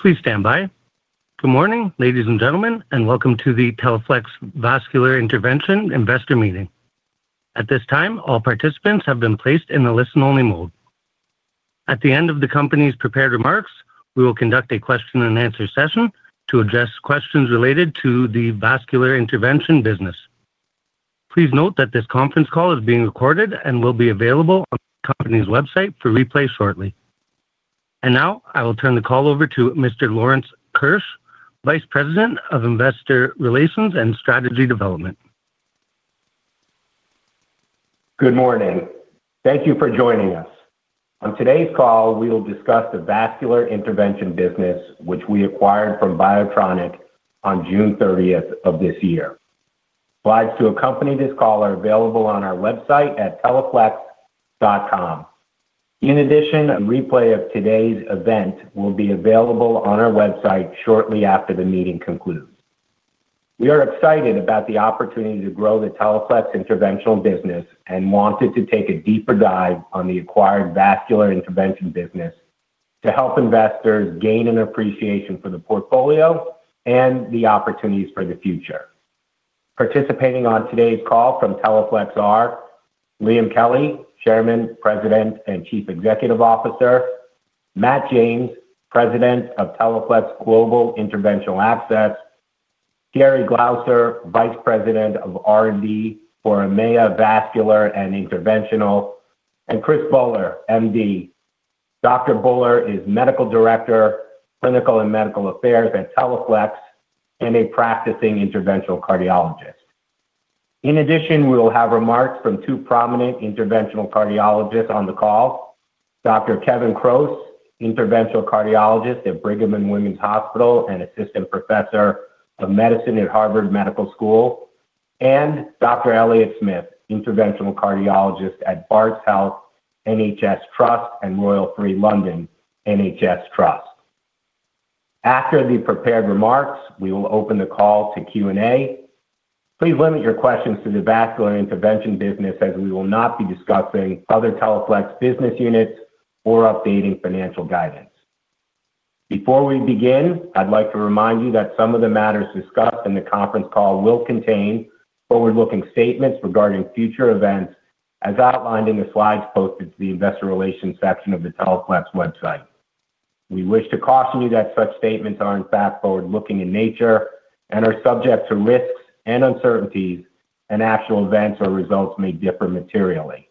Please stand by. Good morning, ladies and gentlemen, and welcome to the Teleflex Vascular Intervention Investor Meeting. At this time, all participants have been placed in the listen-only mode. At the end of the company's prepared remarks, we will conduct a question-and-answer session to address questions related to the Vascular Intervention business. Please note that this conference call is being recorded and will be available on the company's website for replay shortly. I will turn the call over to Mr. Lawrence Keusch, Vice President of Investor Relations and Strategy Development. Good morning. Thank you for joining us. On today's call, we will discuss the Vascular Intervention business, which we acquired from BIOTRONIK on June 30th of this year. Slides to accompany this call are available on our website at teleflex.com. In addition, a replay of today's event will be available on our website shortly after the meeting concludes. We are excited about the opportunity to grow the Teleflex interventional business and wanted to take a deeper dive on the acquired Vascular Intervention business to help investors gain an appreciation for the portfolio and the opportunities for the future. Participating on today's call from Teleflex are Liam Kelly, Chairman, President, and Chief Executive Officer; Matt James, President of Teleflex Global Interventional Access; Thierry Glauser, Vice President of R&D for AMEA Vascular and Interventional, and Chris Buller, MD. Dr. Buller is Medical Director, Clinical and Medical Affairs at Teleflex, and a practicing interventional cardiologist. In addition, we will have remarks from two prominent interventional cardiologists on the call, Dr. Kevin Croce, Interventional Cardiologist at Brigham and Women's Hospital and Assistant Professor of Medicine at Harvard Medical School, and Dr. Elliot Smith, Interventional Cardiologist at Barts Health NHS Trust and Royal Free London NHS Trust. After the prepared remarks, we will open the call to Q&A. Please limit your questions to the Vascular Intervention business, as we will not be discussing other Teleflex business units or updating financial guidance. Before we begin, I'd like to remind you that some of the matters discussed in the conference call will contain forward-looking statements regarding future events, as outlined in the slides posted to the Investor Relations section of the Teleflex website. We wish to caution you that such statements are, in fact, forward-looking in nature and are subject to risks and uncertainties, and actual events or results may differ materially.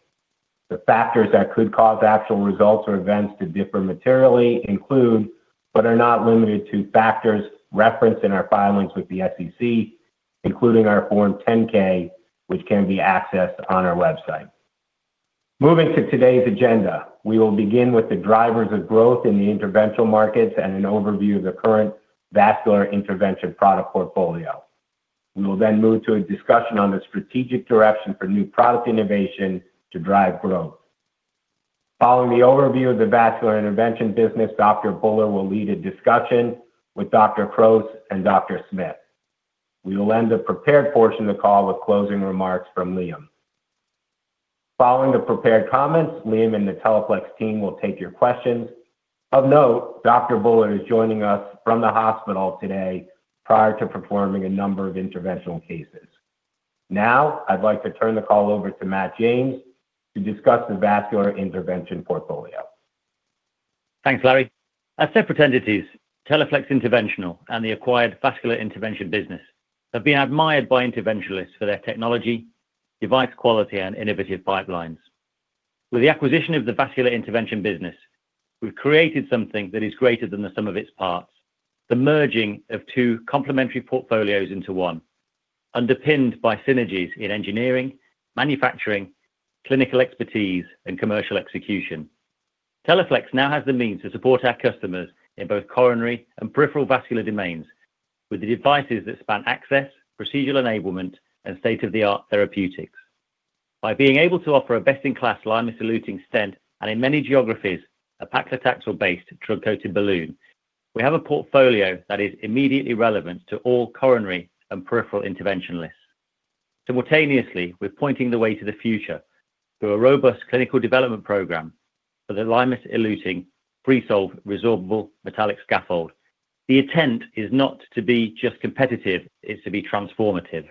The factors that could cause actual results or events to differ materially include, but are not limited to, factors referenced in our filings with the SEC, including our Form 10-K, which can be accessed on our website. Moving to today's agenda, we will begin with the drivers of growth in the interventional markets and an overview of the current Vascular Intervention product portfolio. We will then move to a discussion on the strategic direction for new product innovation to drive growth. Following the overview of the Vascular Intervention business, Dr. Buller will lead a discussion with Dr. Croce and Dr. Smith. We will end the prepared portion of the call with closing remarks from Liam. Following the prepared comments, Liam and the Teleflex team will take your questions. Of note, Dr. Buller is joining us from the hospital today prior to performing a number of interventional cases. Now, I'd like to turn the call over to Matt James to discuss the Vascular Intervention portfolio. Thanks, Larry. As separate entities, Teleflex Interventional and the acquired Vascular Intervention business have been admired by interventionalists for their technology, device quality, and innovative pipelines. With the acquisition of the Vascular Intervention business, we've created something that is greater than the sum of its parts: the merging of two complementary portfolios into one, underpinned by synergies in engineering, manufacturing, clinical expertise, and commercial execution. Teleflex now has the means to support our customers in both coronary and peripheral Vascular domains with the devices that span access, procedural enablement, and state-of-the-art therapeutics. By being able to offer a best-in-class liner saluting stent and, in many geographies, a paclitaxel-based drug-coated balloon, we have a portfolio that is immediately relevant to all coronary and peripheral interventionalists. Simultaneously, we're pointing the way to the future through a robust clinical development program for the liner saluting Freesolve resorbable metallic scaffold. The intent is not to be just competitive, it's to be transformative.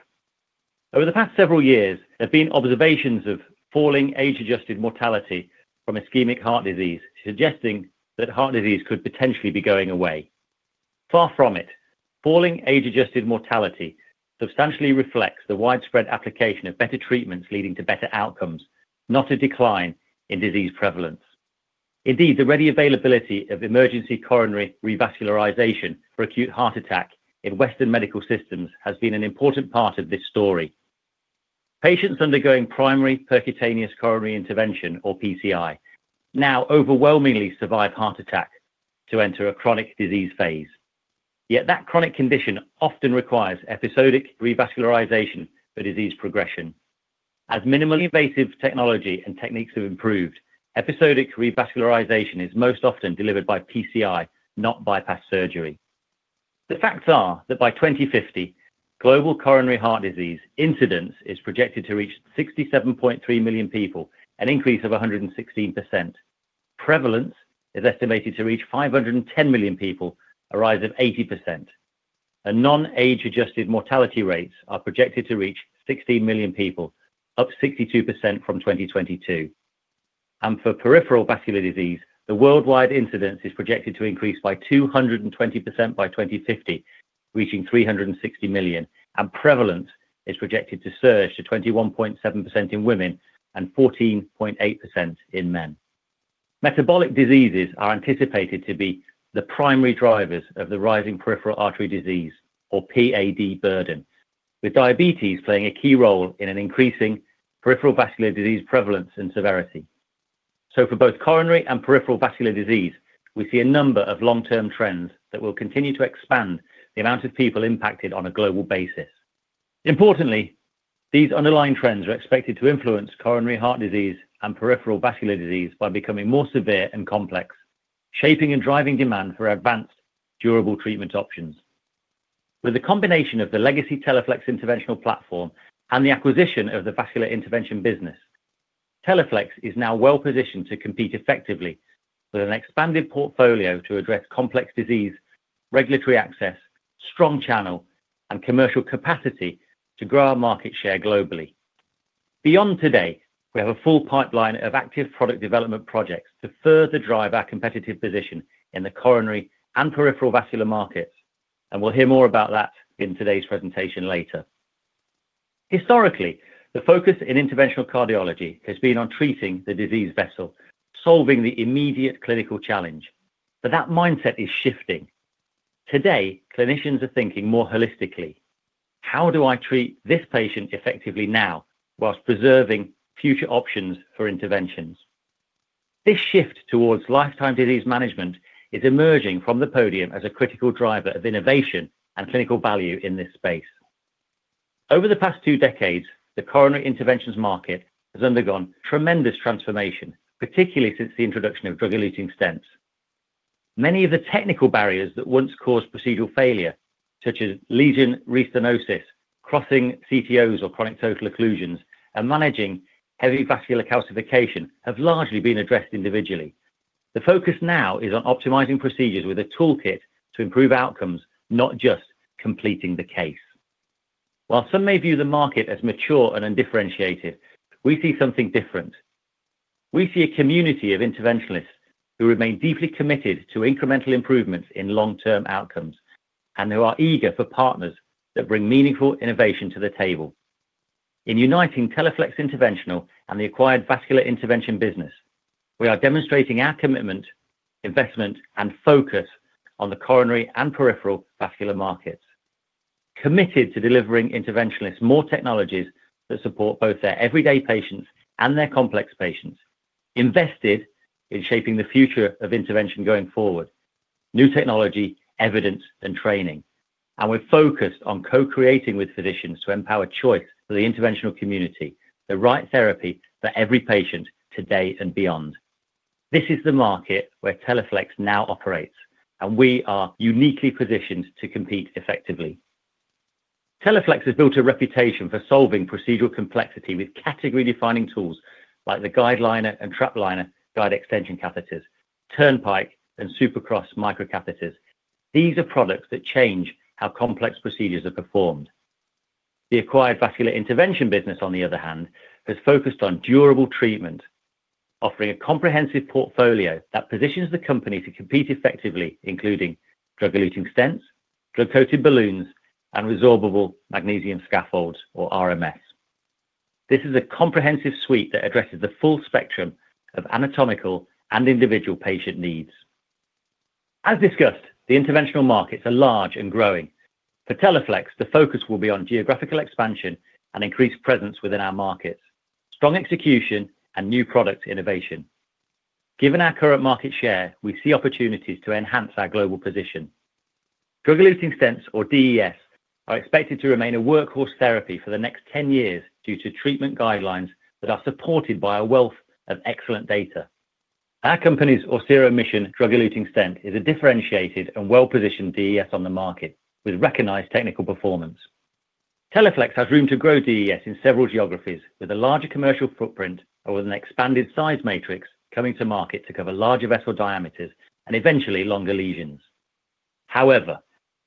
Over the past several years, there have been observations of falling age-adjusted mortality from ischemic heart disease, suggesting that heart disease could potentially be going away. Far from it, falling age-adjusted mortality substantially reflects the widespread application of better treatments leading to better outcomes, not a decline in disease prevalence. Indeed, the ready availability of emergency coronary revascularization for acute heart attack in Western medical systems has been an important part of this story. Patients undergoing primary Percutaneous Coronary Intervention, or PCI, now overwhelmingly survive heart attack to enter a chronic disease phase. Yet that chronic condition often requires episodic revascularization for disease progression. As minimally invasive technology and techniques have improved, episodic revascularization is most often delivered by PCI, not bypass surgery. The facts are that by 2050, global coronary heart disease incidence is projected to reach 67.3 million people, an increase of 116%. Prevalence is estimated to reach 510 million people, a rise of 80%. Non-age-adjusted mortality rates are projected to reach 16 million people, up 62% from 2022. For Peripheral Vascular Disease, the worldwide incidence is projected to increase by 220% by 2050, reaching 360 million. Prevalence is projected to surge to 21.7% in women and 14.8% in men. Metabolic diseases are anticipated to be the primary drivers of the rising peripheral artery disease, or PAD burden, with diabetes playing a key role in an increasing peripheral vascular disease prevalence and severity. For both coronary and peripheral vascular disease, we see a number of long-term trends that will continue to expand the amount of people impacted on a global basis. Importantly, these underlying trends are expected to influence coronary heart disease and peripheral vascular disease by becoming more severe and complex, shaping and driving demand for advanced, durable treatment options. With the combination of the legacy Teleflex interventional platform and the acquisition of the vascular intervention business, Teleflex is now well-positioned to compete effectively with an expanded portfolio to address complex disease, regulatory access, strong channel, and commercial capacity to grow our market share globally. Beyond today, we have a full pipeline of active product development projects to further drive our competitive position in the coronary and peripheral vascular markets. We will hear more about that in today's presentation later. Historically, the focus in interventional cardiology has been on treating the disease vessel, solving the immediate clinical challenge. That mindset is shifting. Today, clinicians are thinking more holistically. How do I treat this patient effectively now, whilst preserving future options for interventions? This shift towards lifetime disease management is emerging from the podium as a critical driver of innovation and clinical value in this space. Over the past two decades, the coronary interventions market has undergone tremendous transformation, particularly since the introduction of drug-eluting stents. Many of the technical barriers that once caused procedural failure, such as lesion restenosis, crossing CTOs, or chronic total occlusions, and managing heavy vascular calcification, have largely been addressed individually. The focus now is on optimizing procedures with a toolkit to improve outcomes, not just completing the case. While some may view the market as mature and undifferentiated, we see something different. We see a community of interventionalists who remain deeply committed to incremental improvements in long-term outcomes and who are eager for partners that bring meaningful innovation to the table. In uniting Teleflex Interventional and the acquired Vascular Intervention business, we are demonstrating our commitment, investment, and focus on the coronary and peripheral vascular markets. Committed to delivering interventionalists more technologies that support both their everyday patients and their complex patients, invested in shaping the future of intervention going forward, new technology, evidence, and training. We are focused on co-creating with physicians to empower choice for the interventional community, the right therapy for every patient today and beyond. This is the market where Teleflex now operates, and we are uniquely positioned to compete effectively. Teleflex has built a reputation for solving procedural complexity with category-defining tools like the GuideLiner and TrapLiner Guide Extension Catheters, Turnpike, and SuperCross Microcatheters. These are products that change how complex procedures are performed. The acquired Vascular Intervention business, on the other hand, has focused on durable treatment, offering a comprehensive portfolio that positions the company to compete effectively, including drug-eluting stents, drug-coated balloons, and resorbable magnesium scaffolds, or RMS. This is a comprehensive suite that addresses the full spectrum of anatomical and individual patient needs. As discussed, the interventional markets are large and growing. For Teleflex, the focus will be on geographical expansion and increased presence within our markets, strong execution, and new product innovation. Given our current market share, we see opportunities to enhance our global position. Drug-eluting stents, or DES, are expected to remain a workhorse therapy for the next 10 years due to treatment guidelines that are supported by a wealth of excellent data. Our company's Orsiro Mission drug-eluting stent is a differentiated and well-positioned DES on the market with recognized technical performance. Teleflex has room to grow DES in several geographies with a larger commercial footprint or with an expanded size matrix coming to market to cover larger vessel diameters and eventually longer lesions. However,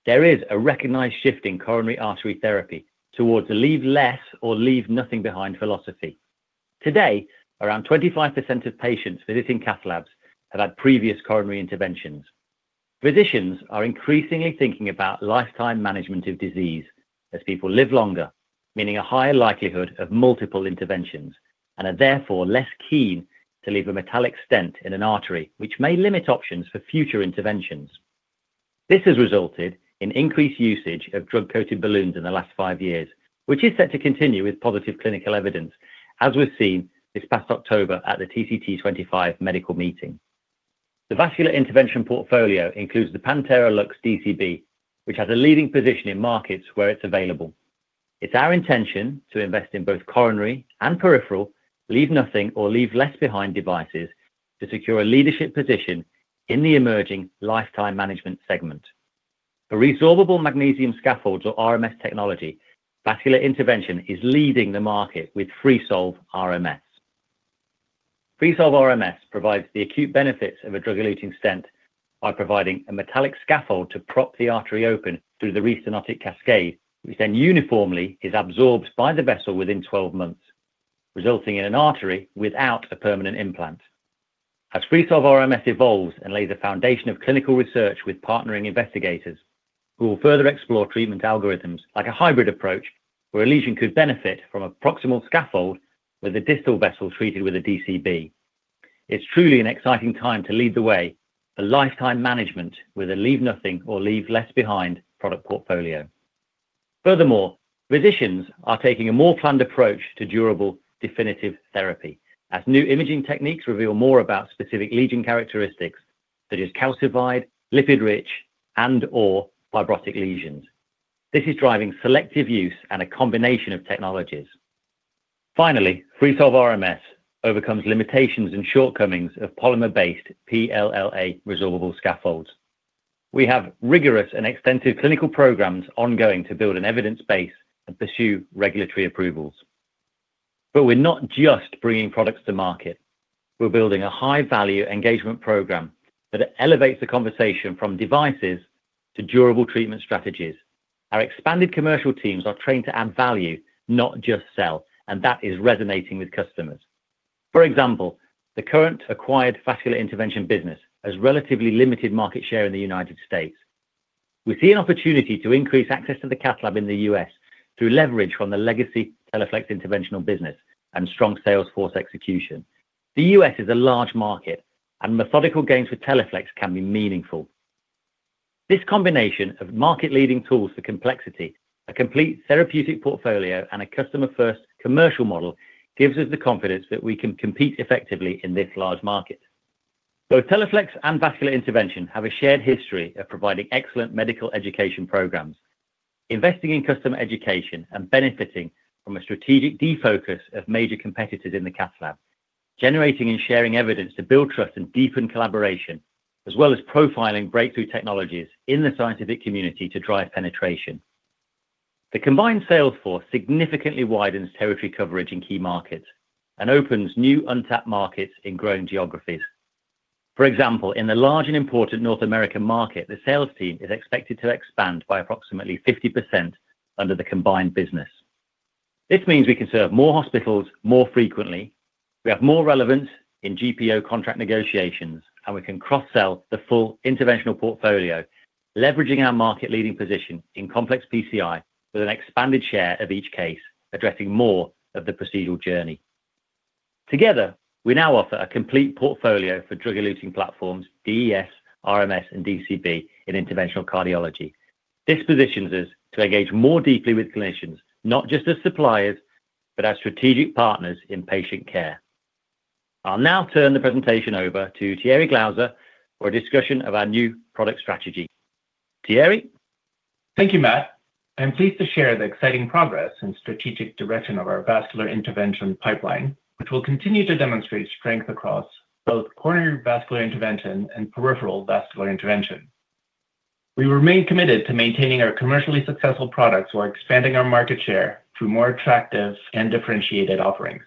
there is a recognized shift in coronary artery therapy towards a leave-less or leave-nothing-behind philosophy. Today, around 25% of patients visiting Cath labs have had previous coronary interventions. Physicians are increasingly thinking about lifetime management of disease as people live longer, meaning a higher likelihood of multiple interventions, and are therefore less keen to leave a metallic stent in an artery, which may limit options for future interventions. This has resulted in increased usage of drug-coated balloons in the last five years, which is set to continue with positive clinical evidence, as was seen this past October at the TCT 2025 medical meeting. The Vascular Intervention portfolio includes the Pantera Lux DCB, which has a leading position in markets where it's available. It's our intention to invest in both coronary and peripheral leave-nothing or leave-less-behind devices to secure a leadership position in the emerging lifetime management segment. For resorbable magnesium scaffolds, or RMS technology, Vascular Intervention is leading the market with Freesolve RMS. Freesolve RMS provides the acute benefits of a drug-eluting stent by providing a metallic scaffold to prop the artery open through the restenotic cascade, which then uniformly is absorbed by the vessel within 12 months, resulting in an artery without a permanent implant. As Freesolve RMS evolves and lays a foundation of clinical research with partnering investigators, we will further explore treatment algorithms like a hybrid approach where a lesion could benefit from a proximal scaffold with a distal vessel treated with a DCB. It's truly an exciting time to lead the way for lifetime management with a leave-nothing or leave-less-behind product portfolio. Furthermore, physicians are taking a more planned approach to durable definitive therapy as new imaging techniques reveal more about specific lesion characteristics, such as calcified, lipid-rich, and/or fibrotic lesions. This is driving selective use and a combination of technologies. Finally, Freesolve RMS overcomes limitations and shortcomings of polymer-based PLLA resorbable scaffolds. We have rigorous and extensive clinical programs ongoing to build an evidence base and pursue regulatory approvals. We are not just bringing products to market. We are building a high-value engagement program that elevates the conversation from devices to durable treatment strategies. Our expanded commercial teams are trained to add value, not just sell, and that is resonating with customers. For example, the current acquired Vascular Intervention business has relatively limited market share in the United States. We see an opportunity to increase access to the Cath lab in the U.S. through leverage from the legacy Teleflex Interventional business and strong sales force execution. The U.S. is a large market, and methodical gains for Teleflex can be meaningful. This combination of market-leading tools for complexity, a complete therapeutic portfolio, and a customer-first commercial model gives us the confidence that we can compete effectively in this large market. Both Teleflex and Vascular Intervention have a shared history of providing excellent medical education programs, investing in customer education, and benefiting from a strategic defocus of major competitors in the Cath lab, generating and sharing evidence to build trust and deepen collaboration, as well as profiling breakthrough technologies in the scientific community to drive penetration. The combined sales force significantly widens territory coverage in key markets and opens new untapped markets in growing geographies. For example, in the large and important North American market, the sales team is expected to expand by approximately 50% under the combined business. This means we can serve more hospitals more frequently, we have more relevance in GPO contract negotiations, and we can cross-sell the full interventional portfolio, leveraging our market-leading position in complex PCI with an expanded share of each case, addressing more of the procedural journey. Together, we now offer a complete portfolio for drug-eluting platforms, DES, RMS, and DCB in interventional cardiology. This positions us to engage more deeply with clinicians, not just as suppliers, but as strategic partners in patient care. I'll now turn the presentation over to Thierry Glauser for a discussion of our new product strategy. Thierry? Thank you, Matt. I'm pleased to share the exciting progress and strategic direction of our Vascular Intervention pipeline, which will continue to demonstrate strength across both coronary vascular intervention and peripheral vascular intervention. We remain committed to maintaining our commercially successful products while expanding our market share through more attractive and differentiated offerings.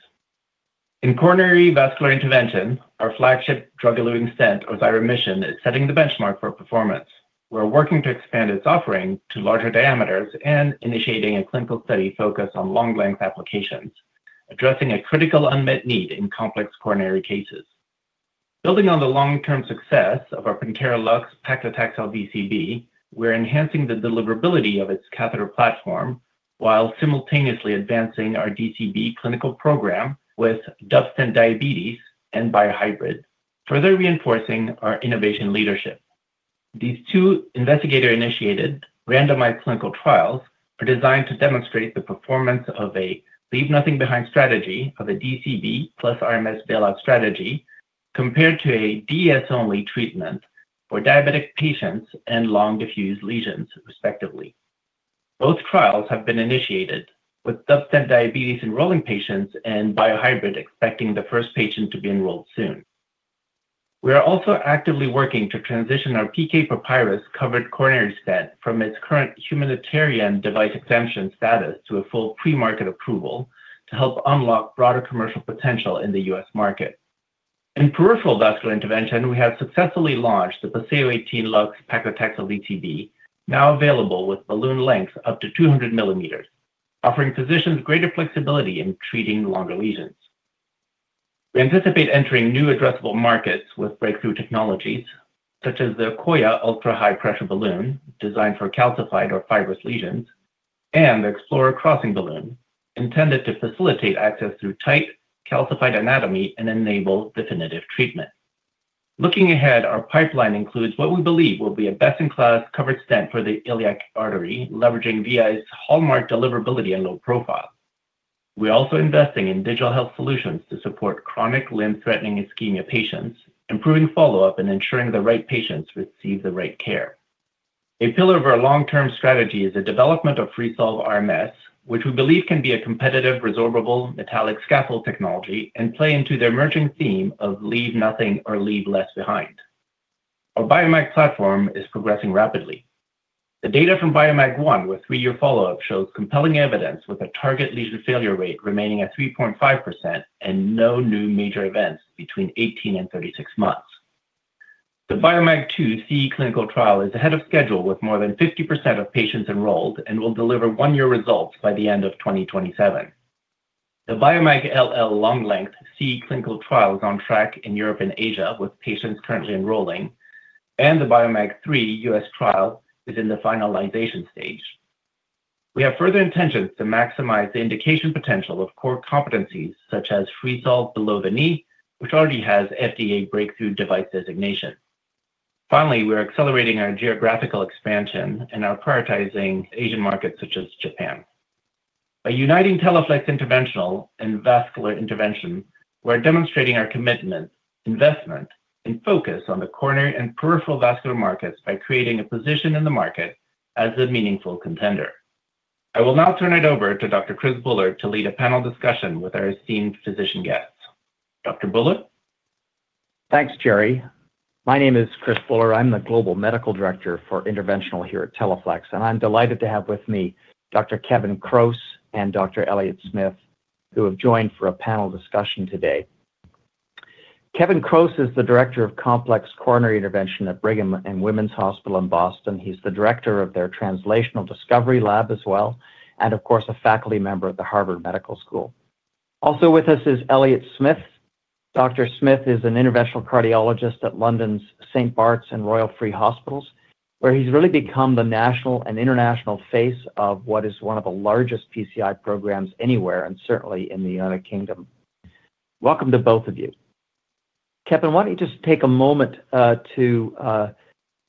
In coronary vascular intervention, our flagship drug-eluting stent, Orsiro Mission, is setting the benchmark for performance. We're working to expand its offering to larger diameters and initiating a clinical study focused on long-length applications, addressing a critical unmet need in complex coronary cases. Building on the long-term success of our Pantera Lux Paclitaxel DCB, we're enhancing the deliverability of its Catheter platform while simultaneously advancing our DCB clinical program with Duphaston diabetes and Biohybrid, further reinforcing our innovation leadership. These two investigator-initiated randomized clinical trials are designed to demonstrate the performance of a leave-nothing-behind strategy of a DCB plus RMS bailout strategy compared to a DES-only treatment for diabetic patients and long-diffuse lesions, respectively. Both trials have been initiated with Duphaston diabetes enrolling patients and Biohybrid, expecting the first patient to be enrolled soon. We are also actively working to transition our PK Papyrus covered coronary stent from its current humanitarian device exemption status to a full pre-market approval to help unlock broader commercial potential in the US market. In peripheral vascular intervention, we have successfully launched the Passeo 18 Lux Paclitaxel DCB, now available with balloon lengths up to 200 mm, offering physicians greater flexibility in treating longer lesions. We anticipate entering new addressable markets with breakthrough technologies such as the Coya ultra-high-pressure balloon designed for calcified or fibrous lesions and the Explorer crossing balloon intended to facilitate access through tight calcified anatomy and enable definitive treatment. Looking ahead, our pipeline includes what we believe will be a best-in-class covered stent for the iliac artery, leveraging VI's hallmark deliverability and low profile. We are also investing in digital health solutions to support chronic limb-threatening ischemia patients, improving follow-up and ensuring the right patients receive the right care. A pillar of our long-term strategy is the development of Freesolve RMS, which we believe can be a competitive resorbable metallic scaffold technology and play into the emerging theme of leave-nothing or leave-less-behind. Our BIOMAG Platform is progressing rapidly. The data from BIOMAG-I with three-year follow-up shows compelling evidence, with a target lesion failure rate remaining at 3.5% and no new major events between 18 and 36 months. The BIOMAG-II CE clinical trial is ahead of schedule with more than 50% of patients enrolled and will deliver one-year results by the end of 2027. The BIOMAG-LL long-length CE clinical trial is on track in Europe and Asia with patients currently enrolling, and the BIOMAG-III US trial is in the finalization stage. We have further intentions to maximize the indication potential of core competencies such as Freesolve below the knee, which already has FDA breakthrough device designation. Finally, we are accelerating our geographical expansion and are prioritizing Asian markets such as Japan. By uniting Teleflex Interventional and Vascular Intervention, we are demonstrating our commitment, investment, and focus on the coronary and peripheral vascular markets by creating a position in the market as a meaningful contender. I will now turn it over to Dr. Chris Buller to lead a panel discussion with our esteemed physician guests. Dr. Buller? Thanks, Thierry. My name is Chris Buller. I'm the Global Medical Director for Interventional here at Teleflex, and I'm delighted to have with me Dr. Kevin Croce and Dr. Elliot Smith, who have joined for a panel discussion today. Kevin Croce is the Director of Complex Coronary Intervention at Brigham and Women's Hospital in Boston. He's the Director of their Translational Discovery Lab as well, and of course, a faculty member at Harvard Medical School. Also with us is Elliot Smith. Dr. Smith is an interventional cardiologist at London's St. Barts and Royal Free Hospitals, where he's really become the national and international face of what is one of the largest PCI programs anywhere, and certainly in the United Kingdom. Welcome to both of you. Kevin, why don't you just take a moment to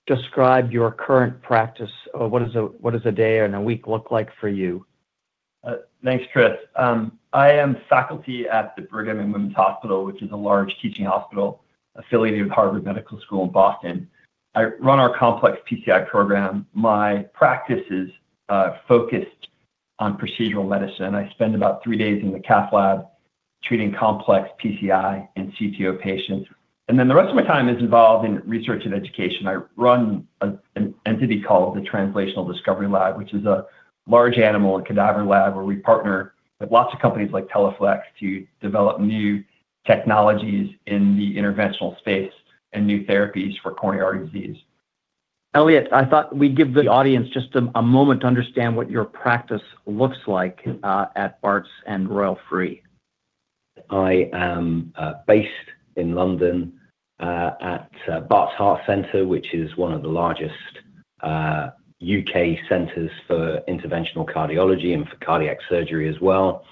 describe your current practice? What does a day and a week look like for you? Thanks, Chris. I am faculty at the Brigham and Women's Hospital, which is a large teaching hospital affiliated with Harvard Medical School in Boston. I run our complex PCI program. My practice is focused on procedural medicine. I spend about three days in the Cath lab treating complex PCI and CTO patients. The rest of my time is involved in research and education. I run an entity called the Translational Discovery Lab, which is a large animal and cadaver lab where we partner with lots of companies like Teleflex to develop new technologies in the interventional space and new therapies for coronary artery disease. Elliot, I thought we'd give the audience just a moment to understand what your practice looks like at Bart's and Royal Free. I am based in London at Bart's Heart Center, which is one of the largest U.K. centers for interventional cardiology and for cardiac surgery as well,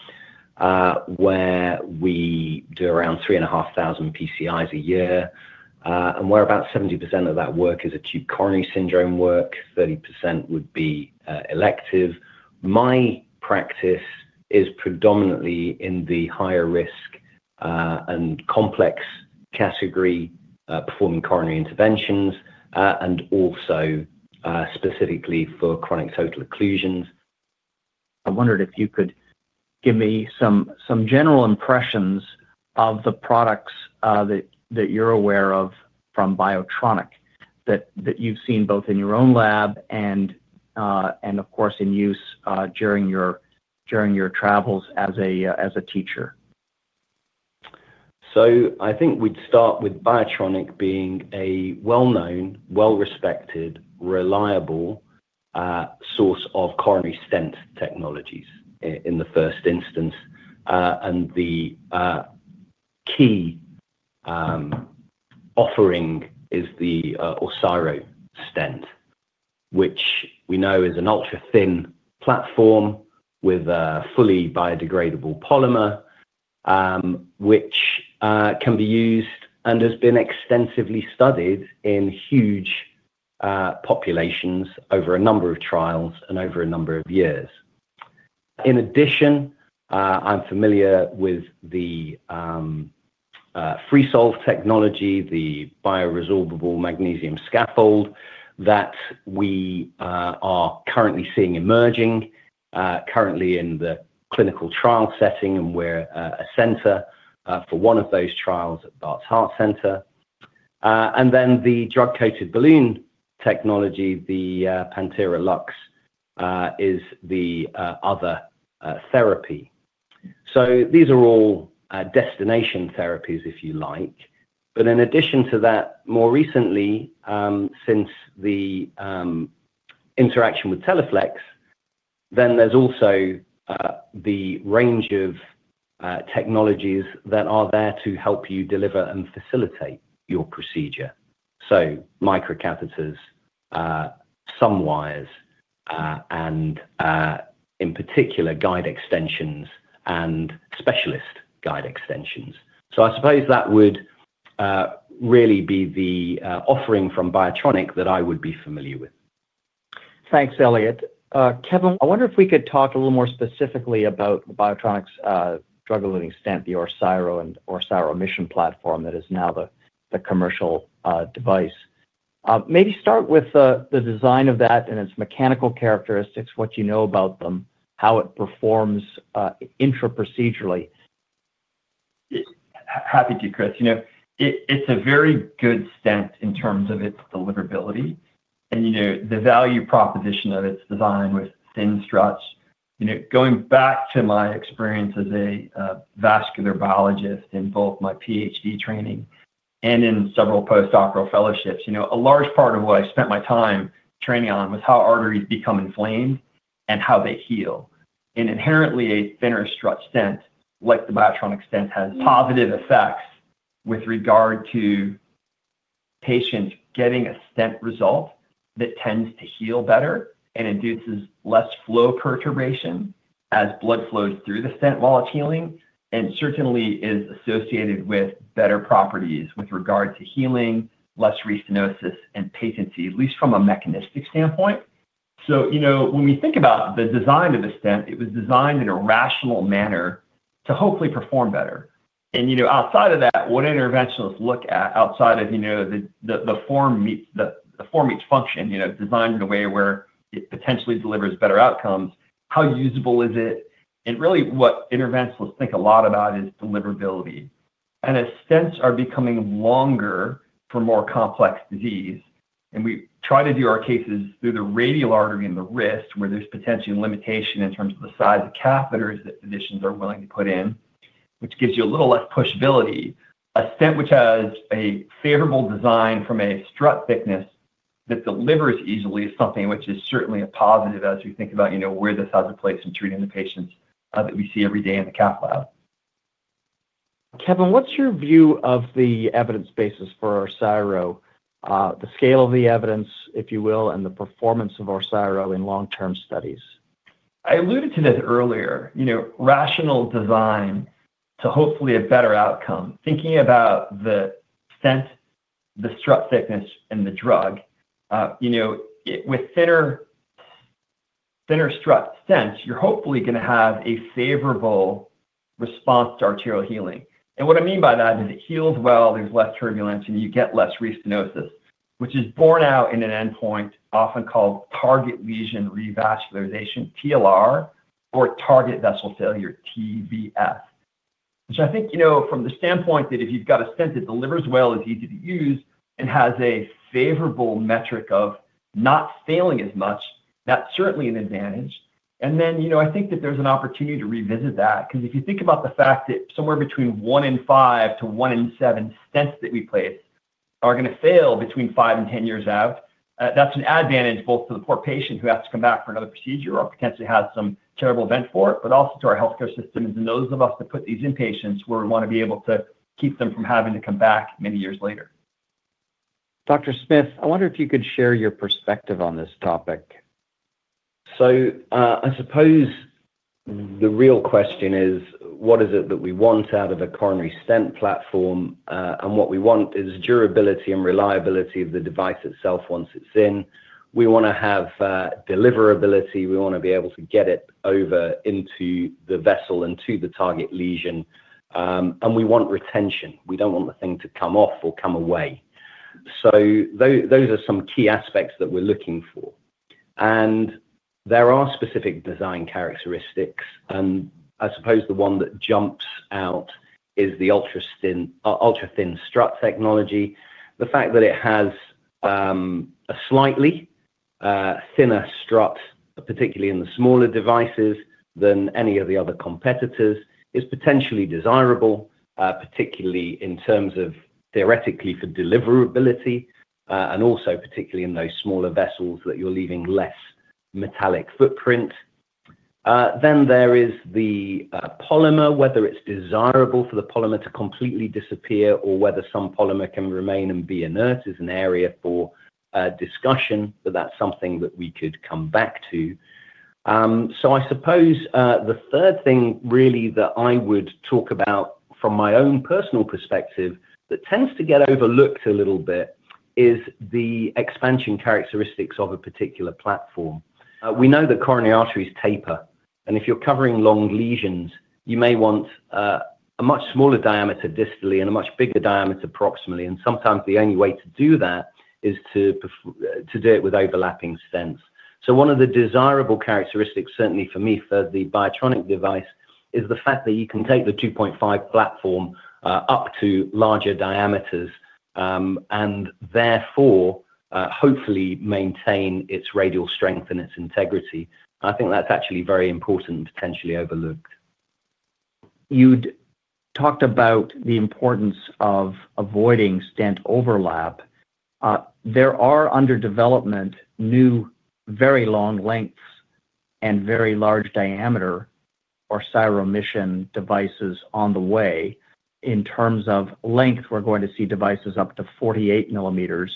where we do around 3,500 PCIs a year. Where about 70% of that work is acute coronary syndrome work, 30% would be elective. My practice is predominantly in the higher risk and complex category performing coronary interventions and also specifically for chronic total occlusions. I wondered if you could give me some general impressions of the products that you're aware of from BIOTRONIK that you've seen both in your own lab and, of course, in use during your travels as a teacher. I think we'd start with BIOTRONIK being a well-known, well-respected, reliable source of coronary stent technologies in the first instance. The key offering is the Orsiro stent, which we know is an ultra-thin platform with a fully biodegradable polymer, which can be used and has been extensively studied in huge populations over a number of trials and over a number of years. In addition, I'm familiar with the Freesolve technology, the bioresorbable magnesium scaffold that we are currently seeing emerging, currently in the clinical trial setting, and we're a center for one of those trials at Barts Heart Center. Then the Drug-Coated Balloon technology, the Pantera Lux, is the other therapy. These are all destination therapies, if you like. In addition to that, more recently, since the interaction with Teleflex, there is also the range of technologies that are there to help you deliver and facilitate your procedure. Microcatheters, some wires, and in particular, guide extensions and specialist guide extensions. I suppose that would really be the offering from BIOTRONIK that I would be familiar with. Thanks, Elliot. Kevin, I wonder if we could talk a little more specifically about BIOTRONIK's drug-eluting stent, the Orsiro Mission platform that is now the commercial device. Maybe start with the design of that and its mechanical characteristics, what you know about them, how it performs intra-procedurally. Happy to, Chris. It's a very good stent in terms of its deliverability and the value proposition of its design with thin struts. Going back to my experience as a vascular biologist in both my PhD training and in several postdoctoral fellowships, a large part of what I spent my time training on was how arteries become inflamed and how they heal. Inherently, a thinner strut stent like the BIOTRONIK stent has positive effects with regard to patients getting a stent result that tends to heal better and induces less flow perturbation as blood flows through the stent while it's healing, and certainly is associated with better properties with regard to healing, less restenosis, and patency, at least from a mechanistic standpoint. When we think about the design of the stent, it was designed in a rational manner to hopefully perform better. Outside of that, what interventionalists look at outside of the form meets function, designed in a way where it potentially delivers better outcomes, how usable is it? Really, what interventionalists think a lot about is deliverability. As stents are becoming longer for more complex disease, and we try to do our cases through the radial artery in the wrist where there's potentially limitation in terms of the size of catheters that physicians are willing to put in, which gives you a little less pushability, a stent which has a favorable design from a strut thickness that delivers easily is something which is certainly a positive as we think about where this has a place in treating the patients that we see every day in the Cath lab. Kevin, what's your view of the evidence basis for Orsiro? The scale of the evidence, if you will, and the performance of Orsiro in long-term studies? I alluded to this earlier. Rational design to hopefully a better outcome. Thinking about the stent, the strut thickness, and the drug, with thinner strut stents, you're hopefully going to have a favorable response to arterial healing. What I mean by that is it heals well, there's less turbulence, and you get less restenosis, which is borne out in an endpoint often called Target Lesion Revascularization, TLR, or Target Vessel Failure, TVF. I think from the standpoint that if you've got a stent that delivers well, is easy to use, and has a favorable metric of not failing as much, that's certainly an advantage. I think that there's an opportunity to revisit that. Because if you think about the fact that somewhere between one in five to one in seven stents that we place are going to fail between five and ten years out, that's an advantage both to the poor patient who has to come back for another procedure or potentially has some terrible event for it, but also to our healthcare systems and those of us that put these in patients where we want to be able to keep them from having to come back many years later. Dr. Smith, I wonder if you could share your perspective on this topic. I suppose the real question is, what is it that we want out of a coronary stent platform? And what we want is durability and reliability of the device itself once it's in. We want to have deliverability. We want to be able to get it over into the vessel and to the target lesion. We want retention. We do not want the thing to come off or come away. Those are some key aspects that we are looking for. There are specific design characteristics. I suppose the one that jumps out is the Ultra-Thin Strut technology. The fact that it has a slightly thinner strut, particularly in the smaller devices than any of the other competitors, is potentially desirable, particularly in terms of theoretically for deliverability and also particularly in those smaller vessels that you are leaving less metallic footprint. There is the polymer, whether it is desirable for the polymer to completely disappear or whether some polymer can remain and be inert is an area for discussion, but that is something that we could come back to. I suppose the third thing really that I would talk about from my own personal perspective that tends to get overlooked a little bit is the expansion characteristics of a particular platform. We know that coronary arteries taper. If you're covering long lesions, you may want a much smaller diameter distally and a much bigger diameter proximally. Sometimes the only way to do that is to do it with overlapping stents. One of the desirable characteristics, certainly for me, for the BIOTRONIK device is the fact that you can take the 2.5 platform up to larger diameters and therefore hopefully maintain its radial strength and its integrity. I think that's actually very important and potentially overlooked. You'd talked about the importance of avoiding stent overlap. There are under development new very long lengths and very large diameter Orsiro Mission devices on the way. In terms of length, we're going to see devices up to 48 mm,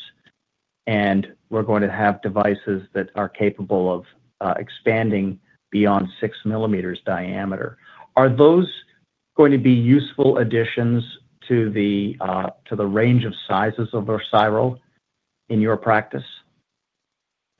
and we're going to have devices that are capable of expanding beyond 6 mm diameter. Are those going to be useful additions to the range of sizes of Orsiro in your practice?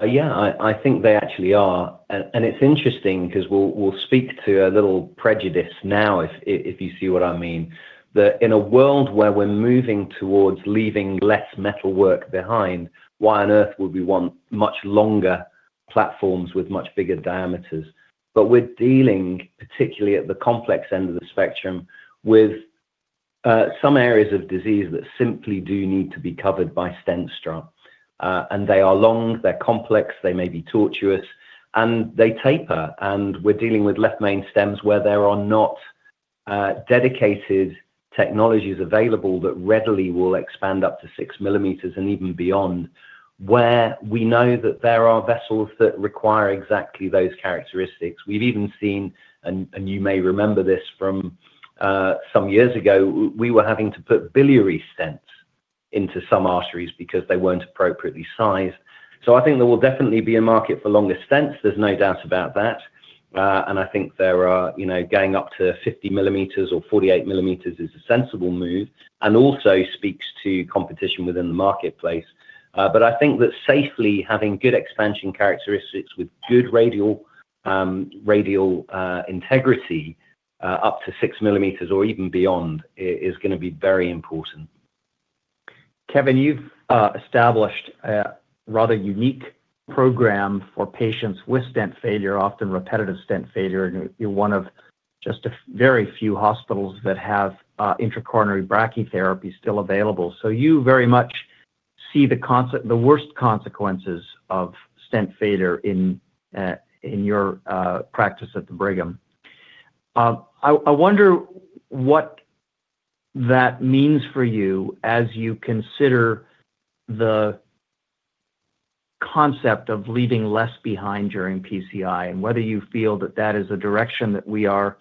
Yeah, I think they actually are. It's interesting because we'll speak to a little prejudice now if you see what I mean. That in a world where we're moving towards leaving less metal work behind, why on earth would we want much longer platforms with much bigger diameters? We're dealing, particularly at the complex end of the spectrum, with some areas of disease that simply do need to be covered by stent strut. They are long, they're complex, they may be tortuous, and they taper. We're dealing with left main stems where there are not dedicated technologies available that readily will expand up to 6 mm and even beyond, where we know that there are vessels that require exactly those characteristics. We've even seen, and you may remember this from some years ago, we were having to put biliary stents into some arteries because they weren't appropriately sized. I think there will definitely be a market for longer stents. There's no doubt about that. I think going up to 50 mm or 48 mm is a sensible move and also speaks to competition within the marketplace. I think that safely having good expansion characteristics with good radial integrity up to 6 mm or even beyond is going to be very important. Kevin, you've established a rather unique program for patients with stent failure, often repetitive stent failure. You're one of just a very few hospitals that have intracoronary brachytherapy still available. You very much see the worst consequences of stent failure in your practice at the Brigham. I wonder what that means for you as you consider the concept of leaving less behind during PCI and whether you feel that that is a direction that we are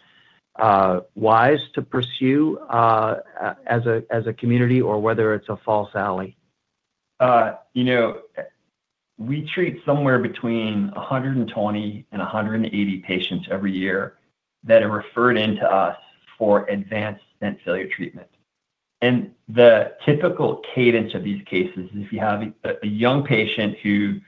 wise to pursue as a community or whether it's a false ally. We treat somewhere between 120 and 180 patients every year that are referred in to us for advanced stent failure treatment. The typical cadence of these cases is if you have a young patient who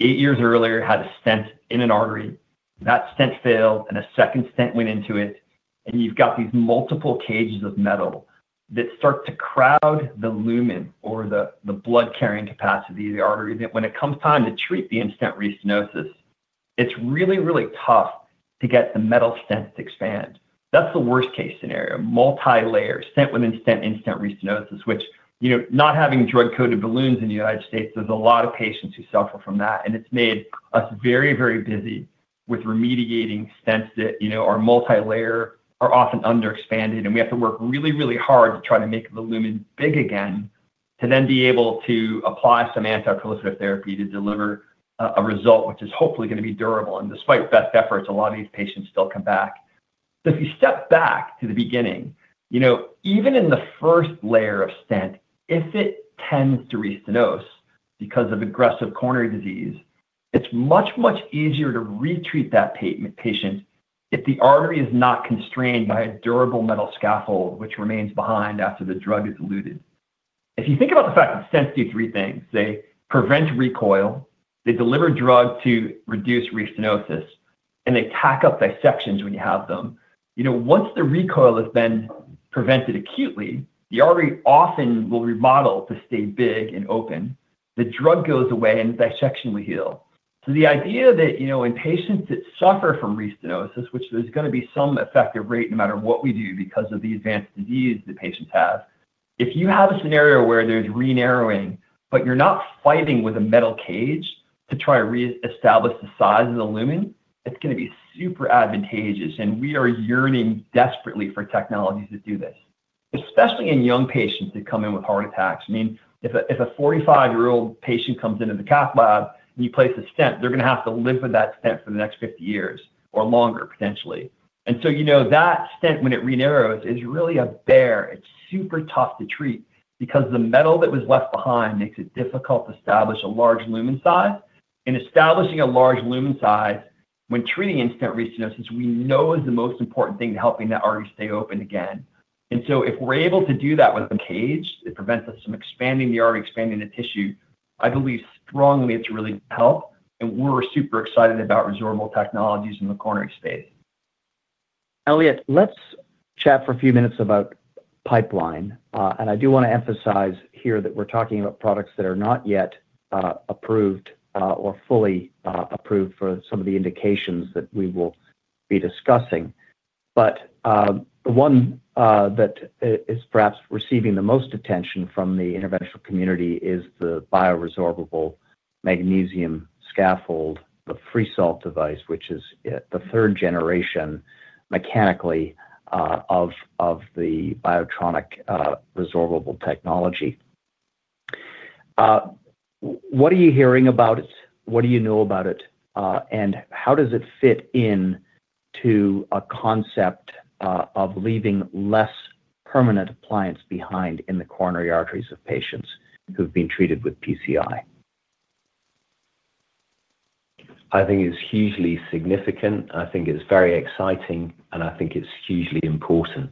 eight years earlier had a stent in an artery, that stent failed, and a second stent went into it, and you've got these multiple cages of metal that start to crowd the lumen or the blood carrying capacity of the artery. That when it comes time to treat the in-stent restenosis, it's really, really tough to get the metal stent to expand. That's the worst-case scenario. Multi-layer stent within stent in-stent restenosis, which not having drug-coated balloons in the United States, there's a lot of patients who suffer from that. It's made us very, very busy with remediating stents that are multi-layer, are often under expanded, and we have to work really, really hard to try to make the lumen big again to then be able to apply some antiproliferative therapy to deliver a result which is hopefully going to be durable. Despite best efforts, a lot of these patients still come back. If you step back to the beginning, even in the first layer of stent, if it tends to restenose because of aggressive coronary disease, it's much, much easier to retreat that patient if the artery is not constrained by a durable metal scaffold which remains behind after the drug is eluted. If you think about the fact that stents do three things. They prevent recoil, they deliver drug to reduce restenosis, and they tack up dissections when you have them. Once the recoil has been prevented acutely, the artery often will remodel to stay big and open. The drug goes away and the dissection will heal. The idea that in patients that suffer from restenosis, which there's going to be some effective rate no matter what we do because of the advanced disease that patients have, if you have a scenario where there's renarrowing, but you're not fighting with a metal cage to try to reestablish the size of the lumen, it's going to be super advantageous. We are yearning desperately for technologies to do this, especially in young patients that come in with heart attacks. I mean, if a 45-year-old patient comes into the Cath lab and you place a stent, they're going to have to live with that stent for the next 50 years or longer, potentially. That stent, when it renarrows, is really a bear. It's super tough to treat because the metal that was left behind makes it difficult to establish a large lumen size. Establishing a large lumen size when treating in-stent restenosis, we know, is the most important thing to helping that artery stay open again. If we're able to do that with a cage that prevents us from expanding the artery, expanding the tissue, I believe strongly it's really helped. We're super excited about resorbable technologies in the coronary space. Elliot, let's chat for a few minutes about pipeline. I do want to emphasize here that we're talking about products that are not yet approved or fully approved for some of the indications that we will be discussing. The one that is perhaps receiving the most attention from the interventional community is the resorbable magnesium scaffold, the Freesolve device, which is the third generation mechanically of the BIOTRONIK resorbable technology. What are you hearing about it? What do you know about it? How does it fit into a concept of leaving less permanent appliance behind in the coronary arteries of patients who've been treated with PCI? I think it's hugely significant. I think it's very exciting, and I think it's hugely important.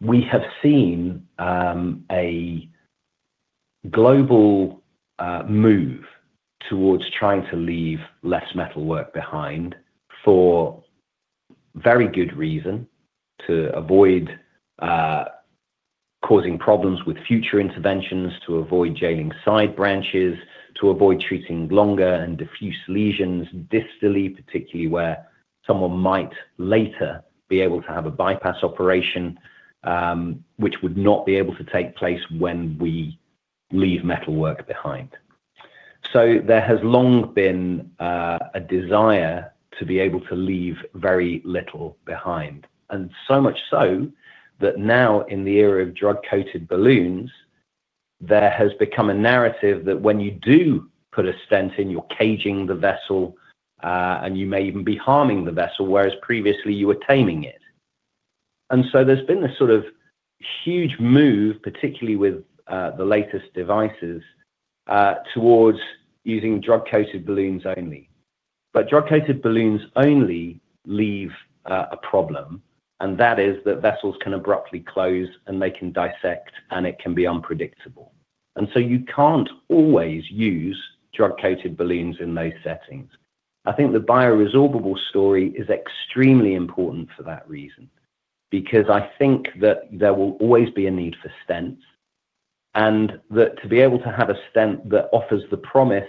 We have seen a global move towards trying to leave less metal work behind for very good reason, to avoid causing problems with future interventions, to avoid jailing side branches, to avoid treating longer and diffuse lesions distally, particularly where someone might later be able to have a bypass operation, which would not be able to take place when we leave metal work behind. There has long been a desire to be able to leave very little behind. So much so that now in the era of Drug-Coated Balloons, there has become a narrative that when you do put a stent in, you're caging the vessel, and you may even be harming the vessel, whereas previously you were taming it. There's been this sort of huge move, particularly with the latest devices, towards using drug-coated balloons only. Drug-Coated Balloons only leave a problem, and that is that vessels can abruptly close and they can dissect and it can be unpredictable. You can't always use Drug-Coated Balloons in those settings. I think the bioresorbable story is extremely important for that reason. Because I think that there will always be a need for stents and that to be able to have a stent that offers the promise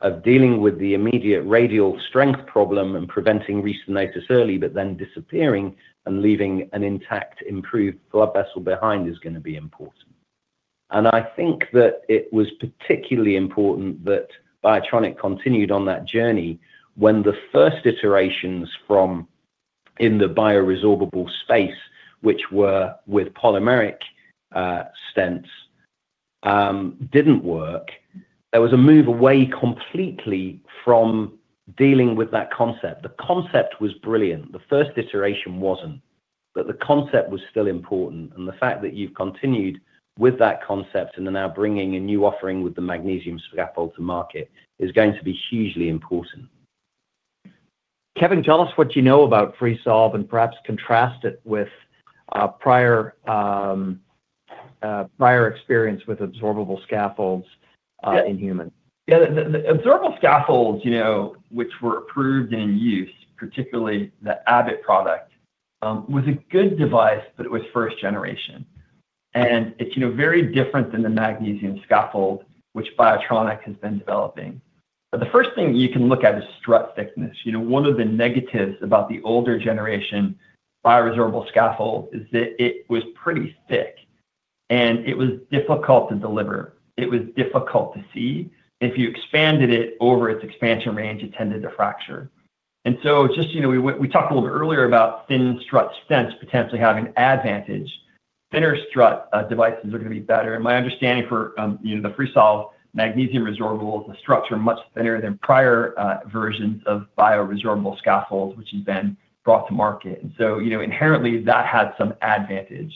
of dealing with the immediate radial strength problem and preventing restenosis early, but then disappearing and leaving an intact improved blood vessel behind is going to be important. I think that it was particularly important that BIOTRONIK continued on that journey when the first iterations from in the bioresorbable space, which were with polymeric stents, did not work. There was a move away completely from dealing with that concept. The concept was brilliant. The first iteration was not, but the concept was still important. The fact that you have continued with that concept and are now bringing a new offering with the magnesium scaffold to market is going to be hugely important. Kevin, tell us what you know about Freesolve and perhaps contrast it with prior experience with absorbable scaffolds in humans. Yeah, the absorbable scaffolds, which were approved and in use, particularly the Abbott product, was a good device, but it was first generation. It is very different than the magnesium scaffold, which BIOTRONIK has been developing. The first thing you can look at is strut thickness. One of the negatives about the older generation bioresorbable scaffold is that it was pretty thick and it was difficult to deliver. It was difficult to see. If you expanded it over its expansion range, it tended to fracture. We talked a little bit earlier about thin strut stents potentially having an advantage. Thinner strut devices are going to be better. My understanding for the Freesolve magnesium resorbable, the struts are much thinner than prior versions of bioresorbable scaffolds, which has been brought to market. Inherently, that had some advantage.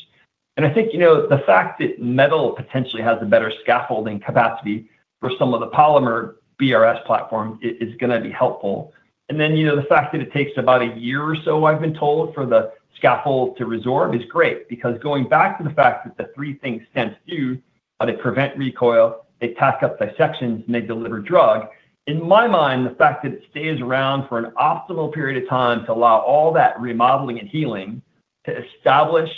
I think the fact that metal potentially has a better scaffolding capacity for some of the polymer BRS platforms is going to be helpful. The fact that it takes about a year or so, I've been told, for the scaffold to resorb is great because going back to the fact that the three things stents do, they prevent recoil, they tack up dissections, and they deliver drug. In my mind, the fact that it stays around for an optimal period of time to allow all that remodeling and healing to establish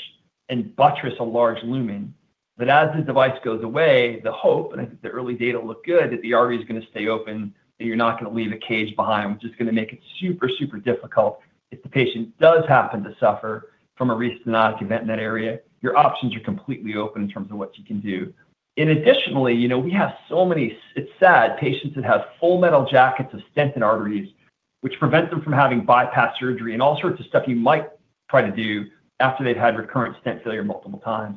and buttress a large lumen, that as the device goes away, the hope, and I think the early data look good, that the artery is going to stay open, that you're not going to leave a cage behind, which is going to make it super, super difficult if the patient does happen to suffer from a restenotic event in that area, your options are completely open in terms of what you can do. Additionally, we have so many sad patients that have full metal jackets of stented arteries, which prevents them from having bypass surgery and all sorts of stuff you might try to do after they've had recurrent stent failure multiple times.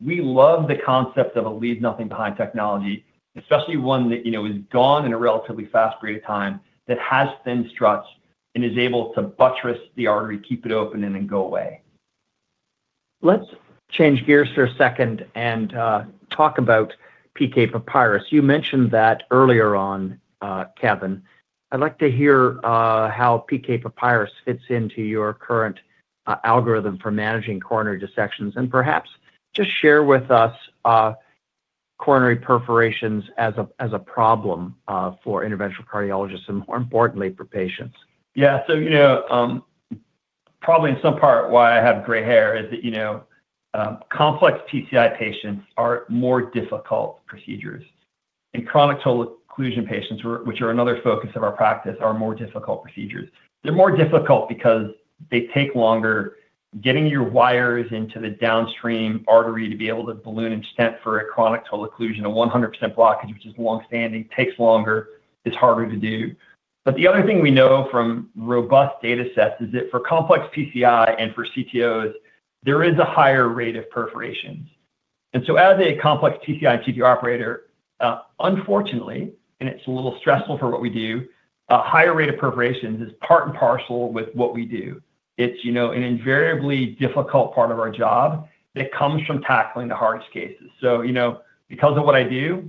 We love the concept of a leave-nothing-behind technology, especially one that is gone in a relatively fast period of time, that has thin struts and is able to buttress the artery, keep it open, and then go away. Let's change gears for a second and talk about PK Papyrus. You mentioned that earlier on, Kevin. I'd like to hear how PK Papyrus fits into your current algorithm for managing coronary dissections and perhaps just share with us coronary perforations as a problem for interventional cardiologists and, more importantly, for patients. Yeah. Probably in some part why I have gray hair is that complex PCI patients are more difficult procedures. Chronic total occlusion patients, which are another focus of our practice, are more difficult procedures. They're more difficult because they take longer. Getting your wires into the downstream artery to be able to balloon and stent for a chronic total occlusion, a 100% blockage, which is longstanding, takes longer, is harder to do. The other thing we know from robust data sets is that for complex PCI and for CTOs, there is a higher rate of perforations. As a complex PCI and CTO operator, unfortunately, and it's a little stressful for what we do, a higher rate of perforations is part and parcel with what we do. It's an invariably difficult part of our job that comes from tackling the hardest cases. Because of what I do,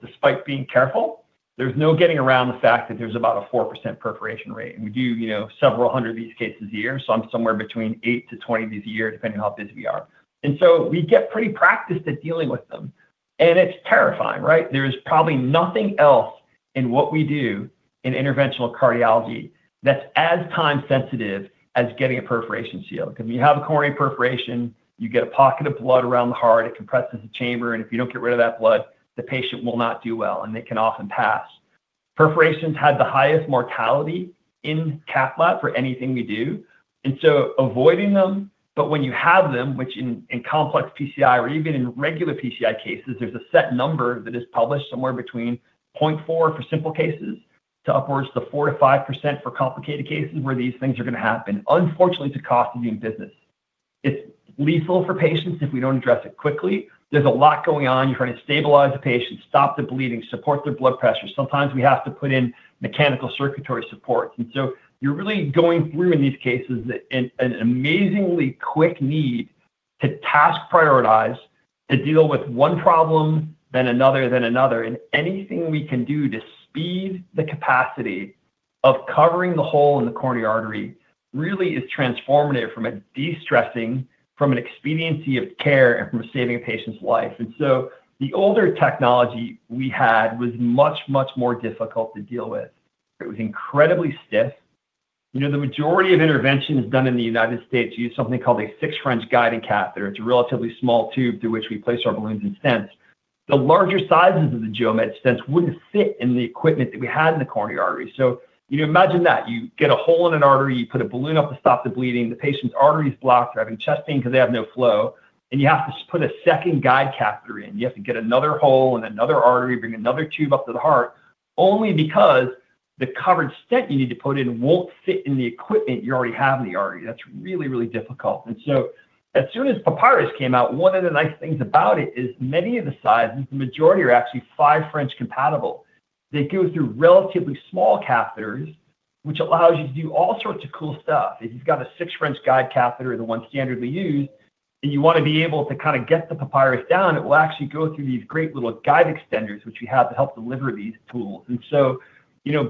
despite being careful, there's no getting around the fact that there's about a 4% perforation rate. We do several hundred of these cases a year, so I'm somewhere between 8-20 of these a year, depending on how busy we are. We get pretty practiced at dealing with them. It's terrifying, right? There is probably nothing else in what we do in interventional cardiology that's as time-sensitive as getting a perforation seal. Because when you have a coronary perforation, you get a pocket of blood around the heart, it compresses the chamber, and if you don't get rid of that blood, the patient will not do well, and they can often pass. Perforations had the highest mortality in Cath lab for anything we do. Avoiding them, but when you have them, which in complex PCI or even in regular PCI cases, there's a set number that is published somewhere between 0.4% for simple cases to upwards to 4%-5% for complicated cases where these things are going to happen, unfortunately the cost of doing business. It's lethal for patients if we don't address it quickly. There's a lot going on. You're trying to stabilize the patient, stop the bleeding, support their blood pressure. Sometimes we have to put in mechanical circulatory supports. You're really going through in these cases an amazingly quick need to task prioritize to deal with one problem, then another, then another. Anything we can do to speed the capacity of covering the hole in the coronary artery really is transformative from a de-stressing, from an expediency of care, and from saving a patient's life. The older technology we had was much, much more difficult to deal with. It was incredibly stiff. The majority of interventions done in the United States use something called a 6-French guiding Catheter. It's a relatively small tube through which we place our balloons and stents. The larger sizes of the Geomed stents wouldn't fit in the equipment that we had in the coronary artery. Imagine that. You get a hole in an artery, you put a balloon up to stop the bleeding, the patient's artery is blocked, they're having chest pain because they have no flow, and you have to put a second guide catheter in. You have to get another hole in another artery, bring another tube up to the heart, only because the covered stent you need to put in won't fit in the equipment you already have in the artery. That's really, really difficult. As soon as PK Papyrus came out, one of the nice things about it is many of the sizes, the majority are actually 5-French compatible. They go through relatively small catheters, which allows you to do all sorts of cool stuff. If you've got a 6-French guide catheter, the one standardly used, and you want to be able to kind of get the PK Papyrus down, it will actually go through these great little guide extenders, which we have to help deliver these tools.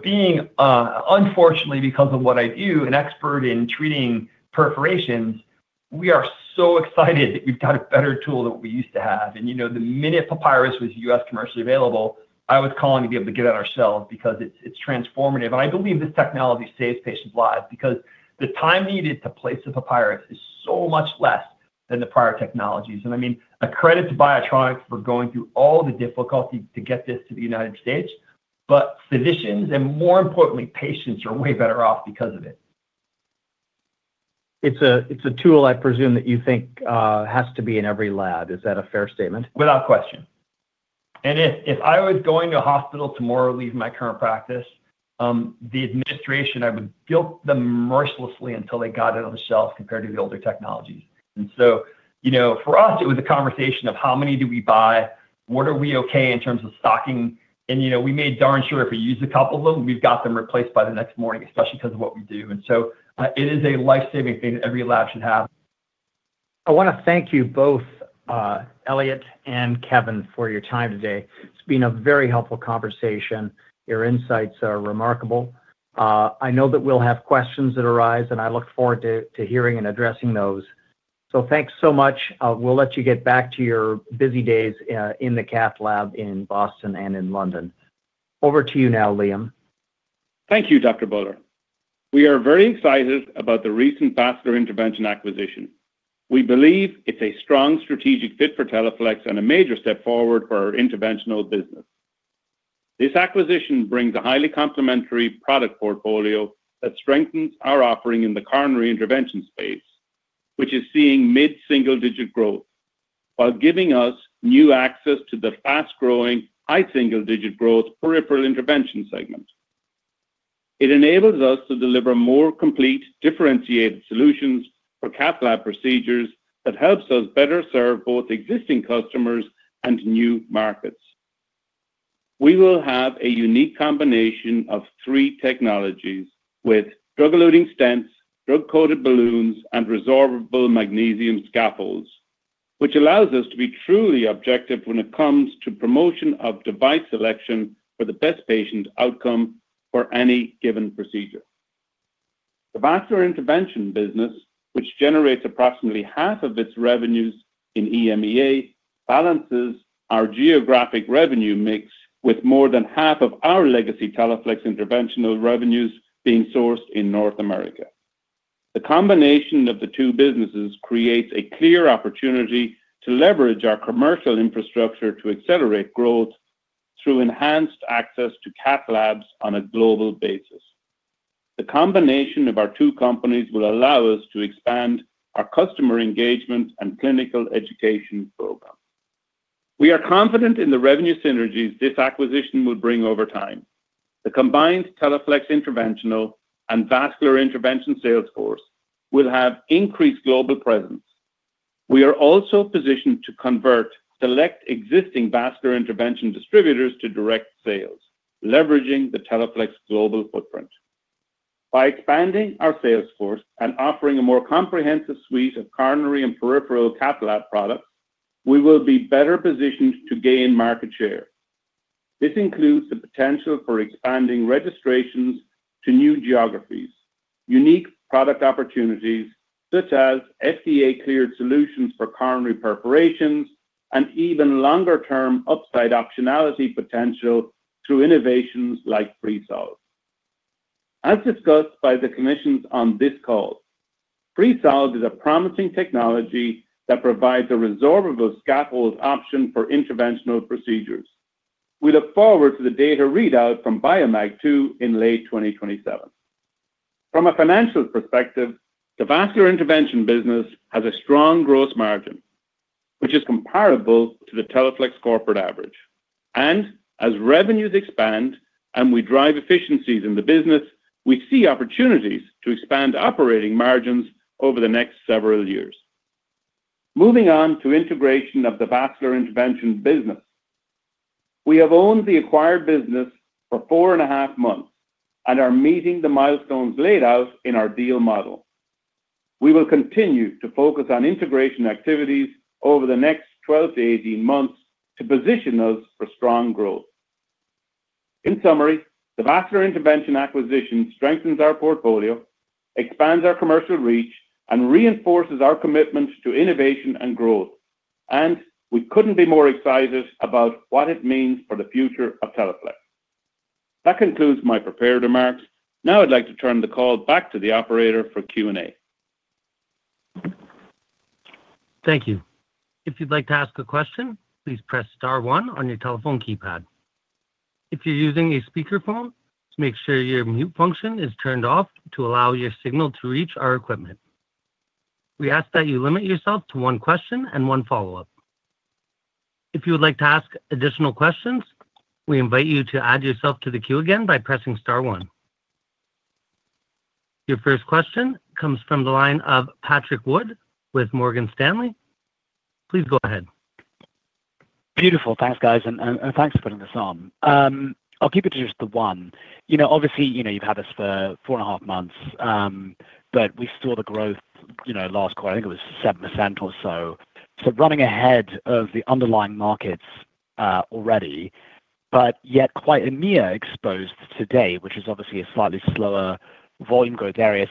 Being, unfortunately, because of what I do, an expert in treating perforations, we are so excited that we've got a better tool than what we used to have. The minute PK Papyrus was U.S. commercially available, I was calling to be able to get it ourselves because it's transformative. I believe this technology saves patients' lives because the time needed to place the PK Papyrus is so much less than the prior technologies. I mean, a credit to BIOTRONIK for going through all the difficulty to get this to the United States, but physicians and, more importantly, patients are way better off because of it. It's a tool, I presume, that you think has to be in every lab. Is that a fair statement? Without question. If I was going to a hospital tomorrow leaving my current practice, the administration, I would guilt them mercilessly until they got it on the shelf compared to the older technologies. For us, it was a conversation of how many do we buy, what are we okay in terms of stocking. We made darn sure if we used a couple of them, we got them replaced by the next morning, especially because of what we do. It is a lifesaving thing that every lab should have. I want to thank you both, Elliot and Kevin, for your time today. It has been a very helpful conversation. Your insights are remarkable. I know that we will have questions that arise, and I look forward to hearing and addressing those. Thanks so much. We'll let you get back to your busy days in the Cath lab in Boston and in London. Over to you now, Liam. Thank you, Dr. Buller. We are very excited about the recent Vascular Intervention Acquisition. We believe it's a strong strategic fit for Teleflex and a major step forward for our interventional business. This acquisition brings a highly complementary product portfolio that strengthens our offering in the coronary intervention space, which is seeing mid-single digit growth, while giving us new access to the fast-growing high-single digit growth peripheral intervention segment. It enables us to deliver more complete differentiated solutions for Cath lab procedures that helps us better serve both existing customers and new markets. We will have a unique combination of three technologies with Drug-Eluting stents, Drug-Coated Balloons, and Resorbable Magnesium Scaffolds, which allows us to be truly objective when it comes to promotion of device selection for the best patient outcome for any given procedure. The vascular intervention business, which generates approximately half of its revenues in EMEA, balances our geographic revenue mix with more than half of our legacy Teleflex interventional revenues being sourced in North America. The combination of the two businesses creates a clear opportunity to leverage our commercial infrastructure to accelerate growth through enhanced access to Cath labs on a global basis. The combination of our two companies will allow us to expand our customer engagement and clinical education program. We are confident in the revenue synergies this acquisition will bring over time. The combined Teleflex interventional and vascular intervention sales force will have increased global presence. We are also positioned to convert select existing vascular intervention distributors to direct sales, leveraging the Teleflex global footprint. By expanding our sales force and offering a more comprehensive suite of coronary and peripheral Cath lab products, we will be better positioned to gain market share. This includes the potential for expanding registrations to new geographies, unique product opportunities such as FDA-cleared solutions for coronary perforations, and even longer-term upside optionality potential through innovations like Freesolve. As discussed by the commissions on this call, Freesolve is a promising technology that provides a resorbable scaffold option for interventional procedures. We look forward to the data readout from BIOMAG-II in late 2027. From a financial perspective, the vascular intervention business has a strong gross margin, which is comparable to the Teleflex corporate average. As revenues expand and we drive efficiencies in the business, we see opportunities to expand operating margins over the next several years. Moving on to integration of the vascular intervention business. We have owned the acquired business for four and a half months and are meeting the milestones laid out in our deal model. We will continue to focus on integration activities over the next 12-18 months to position us for strong growth. In summary, the vascular intervention acquisition strengthens our portfolio, expands our commercial reach, and reinforces our commitment to innovation and growth. We could not be more excited about what it means for the future of Teleflex. That concludes my prepared remarks. Now I'd like to turn the call back to the operator for Q&A. Thank you. If you'd like to ask a question, please press star one on your telephone keypad. If you're using a speakerphone, make sure your mute function is turned off to allow your signal to reach our equipment. We ask that you limit yourself to one question and one follow-up. If you would like to ask additional questions, we invite you to add yourself to the queue again by pressing star one. Your first question comes from the line of Patrick Wood with Morgan Stanley. Please go ahead. Beautiful. Thanks, guys. And thanks for putting this on. I'll keep it to just the one. Obviously, you've had us for four and a half months, but we saw the growth last quarter. I think it was 7% or so. So running ahead of the underlying markets already, but yet quite a near exposed today, which is obviously a slightly slower volume growth area.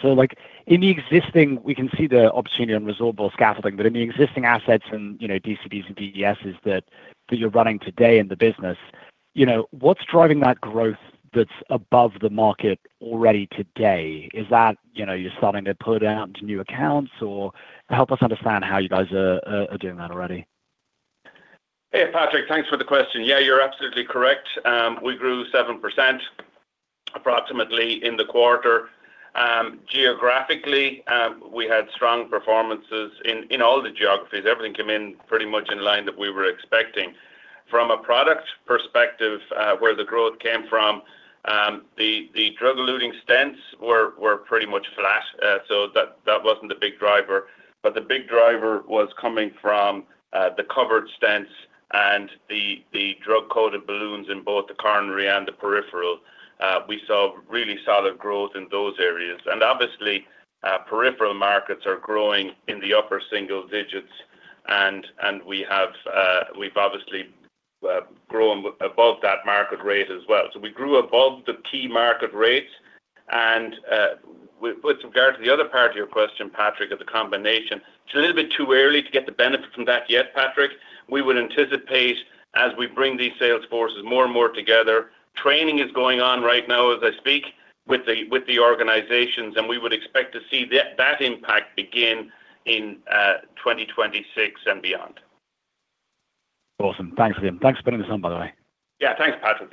In the existing, we can see the opportunity on resorbable scaffolding, but in the existing assets and DCBs and DDSs that you're running today in the business, what's driving that growth that's above the market already today? Is that you're starting to pull it out into new accounts or help us understand how you guys are doing that already? Hey, Patrick, thanks for the question. Yeah, you're absolutely correct. We grew 7% approximately in the quarter. Geographically, we had strong performances in all the geographies. Everything came in pretty much in line that we were expecting. From a product perspective, where the growth came from, the Drug-Eluting stents were pretty much flat, so that wasn't the big driver. The big driver was coming from the covered stents and the drug-coated balloons in both the coronary and the peripheral. We saw really solid growth in those areas. Obviously, peripheral markets are growing in the upper single digits, and we've obviously grown above that market rate as well. We grew above the key market rates. With regard to the other part of your question, Patrick, of the combination, it's a little bit too early to get the benefit from that yet, Patrick. We would anticipate, as we bring these sales forces more and more together, training is going on right now as I speak with the organizations, and we would expect to see that impact begin in 2026 and beyond. Awesome. Thanks, Liam. Thanks for putting this on, by the way. Yeah, thanks, Patrick.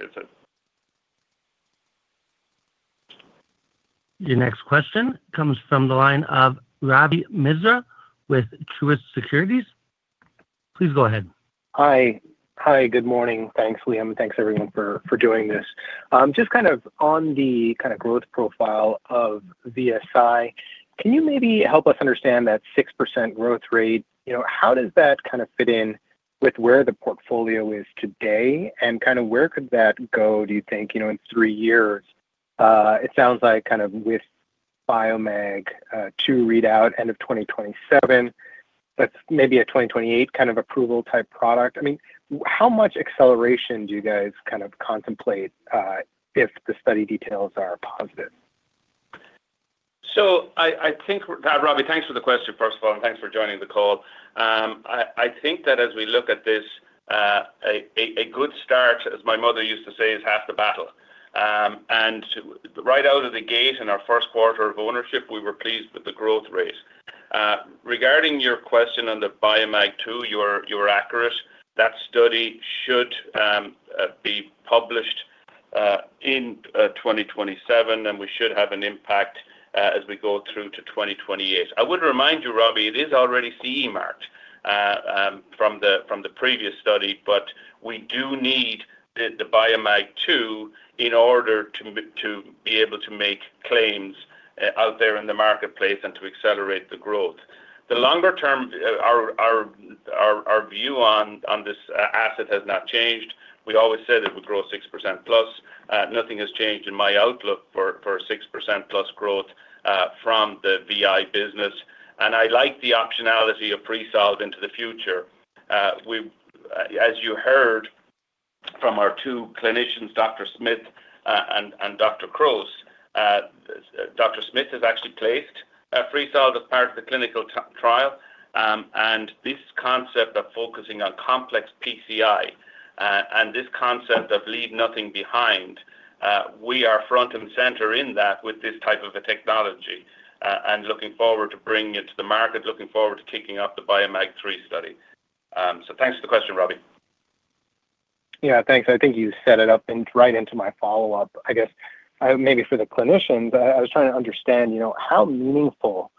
Your next question comes from the line of Ravi Misra with Truist Securities. Please go ahead. Hi. Good morning. Thanks, Liam. Thanks, everyone, for doing this. Just kind of on the kind of growth profile of VSI, can you maybe help us understand that 6% growth rate? How does that kind of fit in with where the portfolio is today and kind of where could that go, do you think, in three years? It sounds like kind of with BIOMAG to read out end of 2027, that's maybe a 2028 kind of approval type product. I mean, how much acceleration do you guys kind of contemplate if the study details are positive? I think, Ravi, thanks for the question, first of all, and thanks for joining the call. I think that as we look at this, a good start, as my mother used to say, is half the battle. And right out of the gate in our first quarter of ownership, we were pleased with the growth rate. Regarding your question on the BIOMAG-II, you were accurate. That study should be published in 2027, and we should have an impact as we go through to 2028. I would remind you, Ravi, it is already CE marked from the previous study, but we do need the BIOMAG-II in order to be able to make claims out there in the marketplace and to accelerate the growth. The longer term, our view on this asset has not changed. We always said it would grow 6% plus. Nothing has changed in my outlook for 6% plus growth from the VI business. I like the optionality of Freesolve into the future. As you heard from our two clinicians, Dr. Smith and Dr. Croce, Dr. Smith has actually placed Freesolve as part of the clinical trial. This concept of focusing on complex PCI and this concept of leave nothing behind, we are front and center in that with this type of a technology and looking forward to bringing it to the market, looking forward to kicking up the BIOMAG-III study. Thanks for the question, Ravi. Yeah, thanks. I think you set it up right into my follow-up. I guess maybe for the clinicians, I was trying to understand how meaningful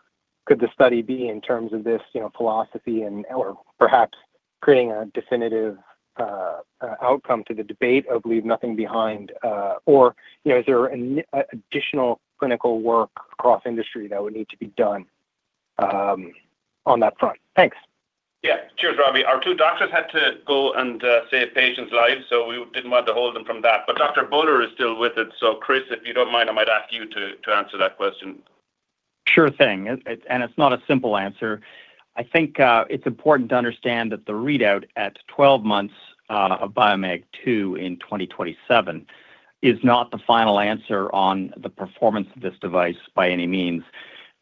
could the study be in terms of this philosophy and/or perhaps creating a definitive outcome to the debate of leave nothing behind? Is there additional clinical work across industry that would need to be done on that front? Thanks. Yeah. Cheers, Ravi. Our two doctors had to go and save patients' lives, so we did not want to hold them from that. Dr. Buller is still with us. Chris, if you don't mind, I might ask you to answer that question. Sure thing. It's not a simple answer. I think it's important to understand that the readout at 12 months of BIOMAG-II in 2027 is not the final answer on the performance of this device by any means.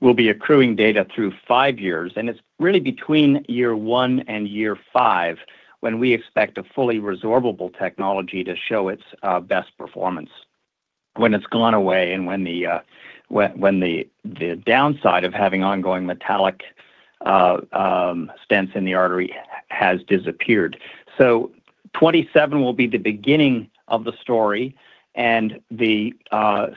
We'll be accruing data through five years. It's really between year one and year five when we expect a fully resorbable technology to show its best performance, when it's gone away and when the downside of having ongoing metallic stents in the artery has disappeared. Twenty-seven will be the beginning of the story, and the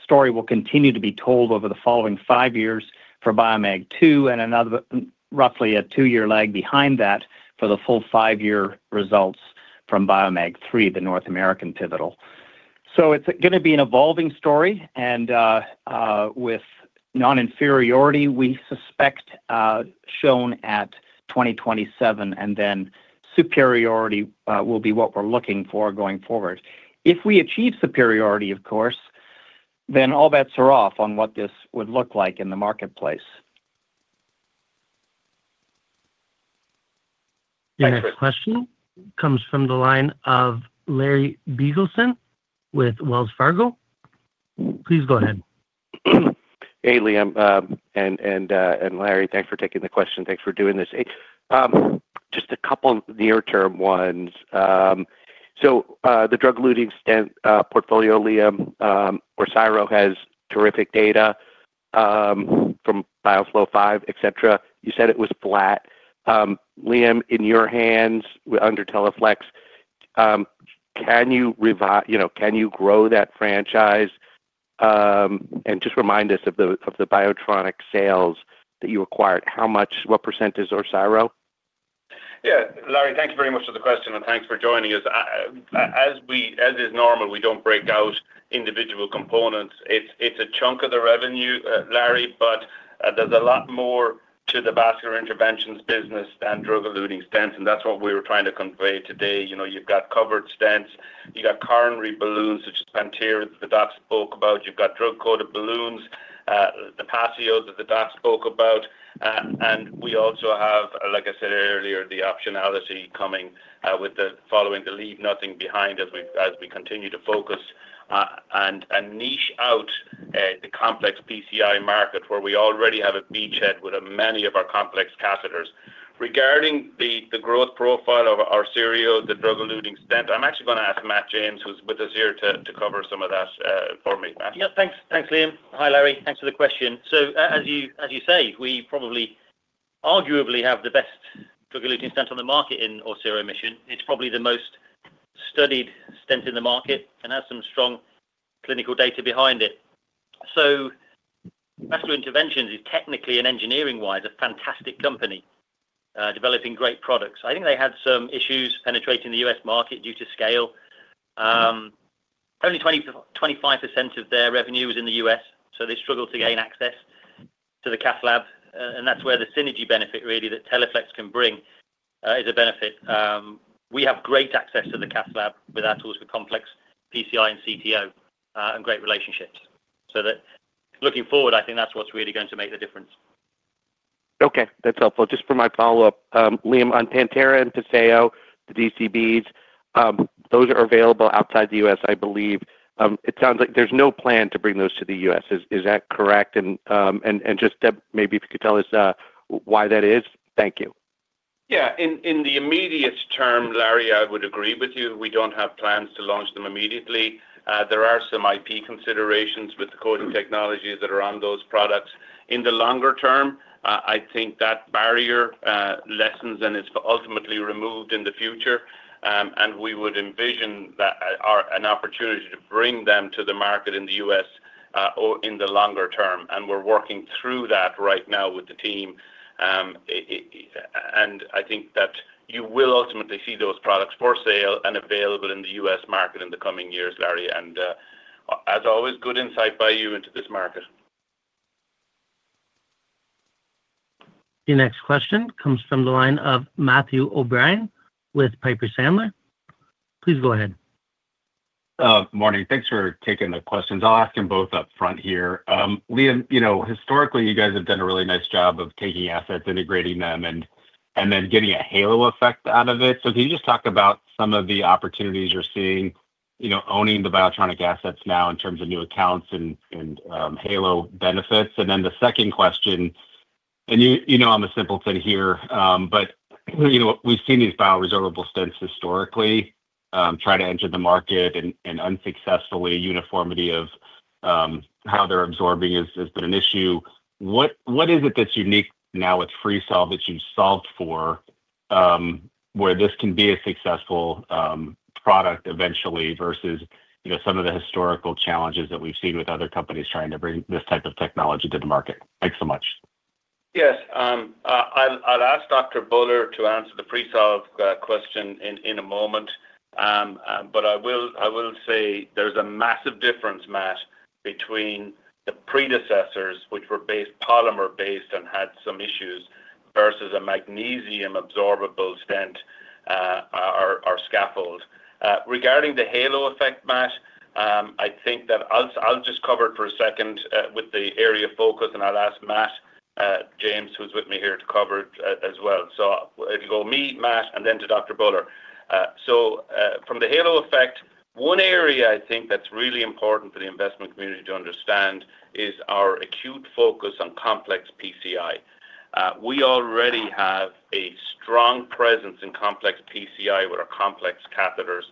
story will continue to be told over the following five years for BIOMAG-III and roughly a two-year lag behind that for the full five-year results from BIOMAG-III, the North American pivotal. It's going to be an evolving story. With non-inferiority, we suspect shown at 2027, and then superiority will be what we're looking for going forward. If we achieve superiority, of course, then all bets are off on what this would look like in the marketplace. Next question comes from the line of Larry Biegelsen with Wells Fargo. Please go ahead. Hey, Liam and Larry, thanks for taking the question. Thanks for doing this. Just a couple of near-term ones. The drug-eluting stent portfolio, Liam or Orsiro has terrific data from BIOFLOW-V, etc. You said it was flat. Liam, in your hands under Teleflex, can you grow that franchise and just remind us of the BIOTRONIK sales that you acquired? What percent is Orsiro? Yeah. Larry, thanks very much for the question, and thanks for joining us. As is normal, we don't break out individual components. It's a chunk of the revenue, Larry, but there's a lot more to the vascular interventions business than Drug-Eluting stents. That's what we were trying to convey today. You've got covered stents. You've got coronary balloons such as Pantera that the docs spoke about. You've got Drug-Coated Balloons, the Paseo that the docs spoke about. We also have, like I said earlier, the optionality coming with the following the leave-nothing-behind as we continue to focus and niche out the complex PCI market where we already have a beachhead with many of our complex catheters. Regarding the growth profile of Orsiro, the Drug-Eluting stent, I'm actually going to ask Matt James, who's with us here, to cover some of that for me. Yeah. Thanks, Liam. Hi, Larry. Thanks for the question. As you say, we probably arguably have the best drug-eluting stent on the market in Orsiro Mission. It's probably the most studied stent in the market and has some strong clinical data behind it. Vascular Interventions is technically and engineering-wise a fantastic company developing great products. I think they had some issues penetrating the U.S. market due to scale. Only 25% of their revenue was in the U.S., so they struggled to gain access to the Cath lab. That's where the synergy benefit really that Teleflex can bring is a benefit. We have great access to the Cath lab with our tools for complex PCI and CTO and great relationships. Looking forward, I think that's what's really going to make the difference. Okay. That's helpful. Just for my follow-up, Liam, on Pantera and Passeo, the DCBs, those are available outside the U.S., I believe. It sounds like there's no plan to bring those to the US. Is that correct? If you could tell us why that is. Thank you. Yeah. In the immediate term, Larry, I would agree with you. We don't have plans to launch them immediately. There are some IP considerations with the coding technologies that are on those products. In the longer term, I think that barrier lessens and is ultimately removed in the future. We would envision an opportunity to bring them to the market in the U.S. in the longer term. We're working through that right now with the team. I think that you will ultimately see those products for sale and available in the US market in the coming years, Larry. As always, good insight by you into this market. Your next question comes from the line of Matthew O'Brien with Piper Sandler. Please go ahead. Good morning. Thanks for taking the questions. I'll ask them both upfront here. Liam, historically, you guys have done a really nice job of taking assets, integrating them, and then getting a halo effect out of it. Can you just talk about some of the opportunities you're seeing owning the BIOTRONIK assets now in terms of new accounts and halo benefits? The second question, and you know I'm a simpleton here, but we've seen these bioresorbable stents historically try to enter the market and unsuccessfully. Uniformity of how they're absorbing has been an issue. What is it that's unique now with Freesolve that you've solved for where this can be a successful product eventually versus some of the historical challenges that we've seen with other companies trying to bring this type of technology to the market? Thanks so much. Yes. I'll ask Dr. Buller to answer the Freesolve question in a moment. I will say there's a massive difference, Matt, between the predecessors, which were polymer-based and had some issues, versus a magnesium absorbable stent or scaffold. Regarding the halo effect, Matt, I think that I'll just cover it for a second with the area of focus, and I'll ask Matt James, who's with me here, to cover it as well. It'll go me, Matt, and then to Dr. Buller. From the halo effect, one area I think that's really important for the investment community to understand is our acute focus on complex PCI. We already have a strong presence in complex PCI with our complex catheters,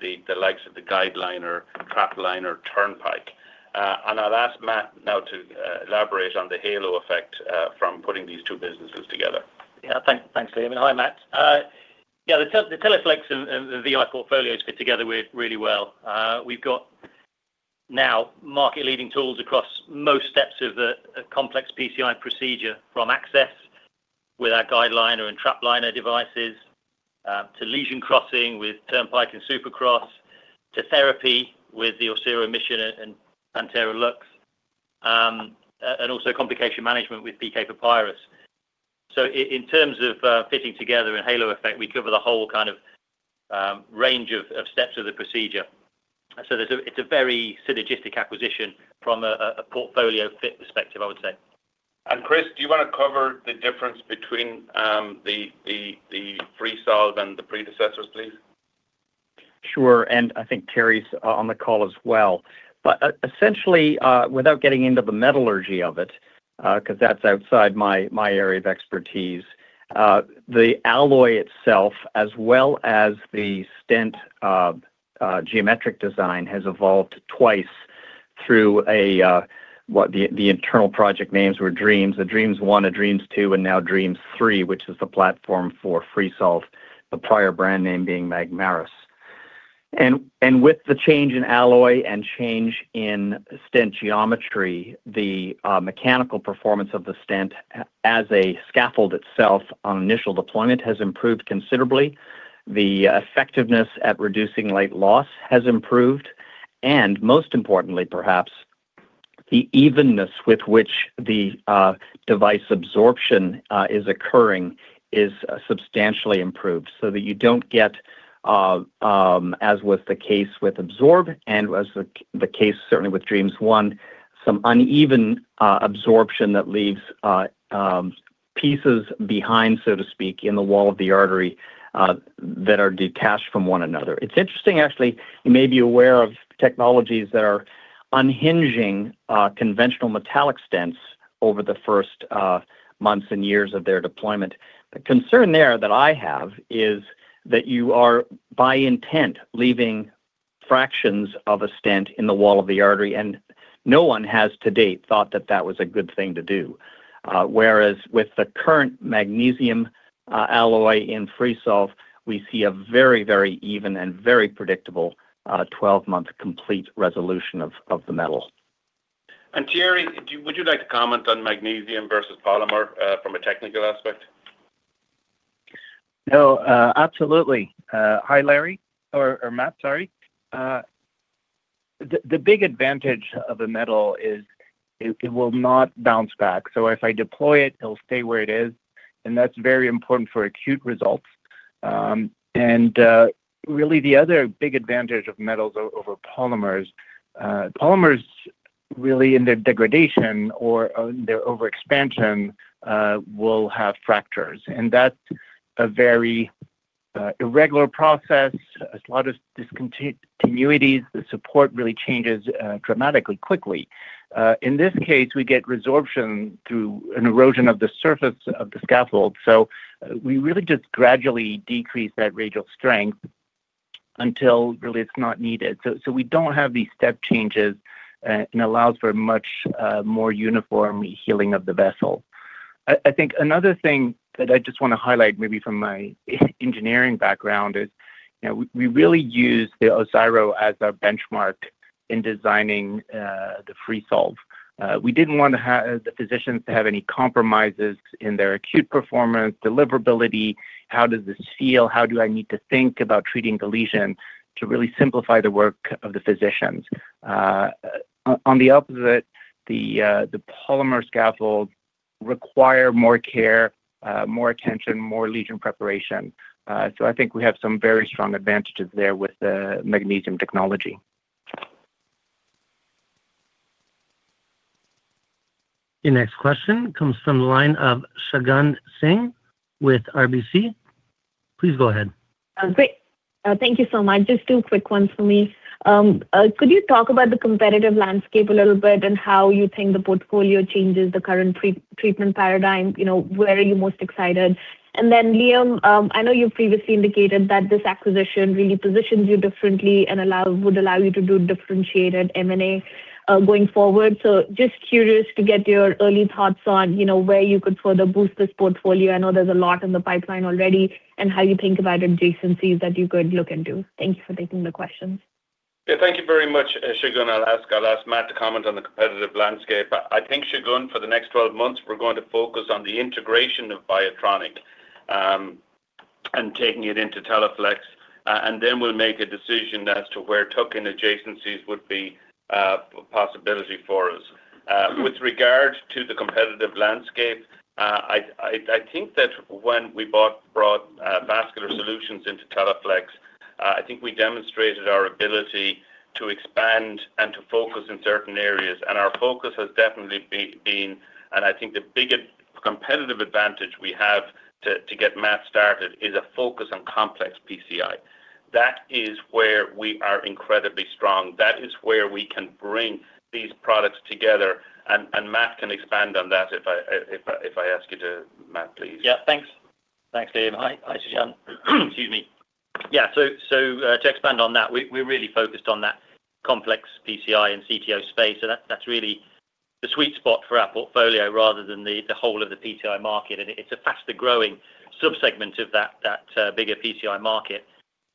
the likes of the Guideliner, Trapliner, Turnpike. I'll ask Matt now to elaborate on the halo effect from putting these two businesses together. Yeah. Thanks, Liam. Hi, Matt. Yeah, the Teleflex and the VI portfolio fit together really well. We've got now market-leading tools across most steps of the complex PCI procedure from access with our GuideLiner and TrapLiner devices to lesion crossing with Turnpike and SuperCross to therapy with the Orsiro Mission and Pantera Lux, and also complication management with PK Papyrus. In terms of fitting together in halo effect, we cover the whole kind of range of steps of the procedure. It is a very synergistic acquisition from a portfolio fit perspective, I would say. Chris, do you want to cover the difference between the Freesolve and the predecessors, please? Sure. I think Thierry is on the call as well. Essentially, without getting into the metallurgy of it, because that is outside my area of expertise, the alloy itself, as well as the stent geometric design, has evolved twice through what the internal project names were: DREAMS 1, DREAMS 2, and now DREAMS 3, which is the platform for Freesolve, the prior brand name being Magmaris. With the change in alloy and change in stent geometry, the mechanical performance of the stent as a scaffold itself on initial deployment has improved considerably. The effectiveness at reducing light loss has improved. Most importantly, perhaps, the evenness with which the device absorption is occurring is substantially improved so that you do not get, as was the case with Absorb and as the case certainly with DREAMS 1, some uneven absorption that leaves pieces behind, so to speak, in the wall of the artery that are detached from one another. It is interesting, actually. You may be aware of technologies that are unhinging conventional metallic stents over the first months and years of their deployment. The concern there that I have is that you are by intent leaving fractions of a stent in the wall of the artery. No one has to date thought that that was a good thing to do. Whereas with the current magnesium alloy in Freesolve, we see a very, very even and very predictable 12-month complete resolution of the metal. Thierry, would you like to comment on magnesium versus polymer from a technical aspect? No, absolutely. Hi, Larry, or Matt, sorry. The big advantage of a metal is it will not bounce back. If I deploy it, it will stay where it is. That is very important for acute results. The other big advantage of metals over polymers, polymers really in their degradation or their overexpansion will have fractures. That is a very irregular process. There are a lot of discontinuities. The support really changes dramatically quickly. In this case, we get resorption through an erosion of the surface of the scaffold. We really just gradually decrease that radial strength until it is not needed. We do not have these step changes and allow for much more uniform healing of the vessel. I think another thing that I just want to highlight maybe from my engineering background is we really use the Orsiro as our benchmark in designing the Freesolve. We didn't want the physicians to have any compromises in their acute performance, deliverability. How does this feel? How do I need to think about treating the lesion to really simplify the work of the physicians? On the opposite, the polymer scaffolds require more care, more attention, more lesion preparation. I think we have some very strong advantages there with the magnesium technology. Your next question comes from the line of Shagun Singh with RBC. Please go ahead. Great. Thank you so much. Just two quick ones for me. Could you talk about the competitive landscape a little bit and how you think the portfolio changes the current treatment paradigm? Where are you most excited? Then, Liam, I know you've previously indicated that this acquisition really positions you differently and would allow you to do differentiated M&A going forward. Just curious to get your early thoughts on where you could further boost this portfolio. I know there's a lot in the pipeline already and how you think about adjacencies that you could look into. Thank you for taking the questions. Yeah. Thank you very much, Shagun. I'll ask Matt to comment on the competitive landscape. I think, Shagun, for the next 12 months, we're going to focus on the integration of BIOTRONIK and taking it into Teleflex. Then we'll make a decision as to where token adjacencies would be a possibility for us. With regard to the competitive landscape, I think that when we brought Vascular Solutions into Teleflex, I think we demonstrated our ability to expand and to focus in certain areas. Our focus has definitely been, and I think the biggest competitive advantage we have to get Matt started is a focus on complex PCI. That is where we are incredibly strong. That is where we can bring these products together. Matt can expand on that if I ask you to, Matt, please. Yeah. Thanks. Thanks, Liam. Hi, Shagun. Excuse me. Yeah. To expand on that, we are really focused on that complex PCI and CTO space. That is really the sweet spot for our portfolio rather than the whole of the PCI market. It is a faster-growing subsegment of that bigger PCI market.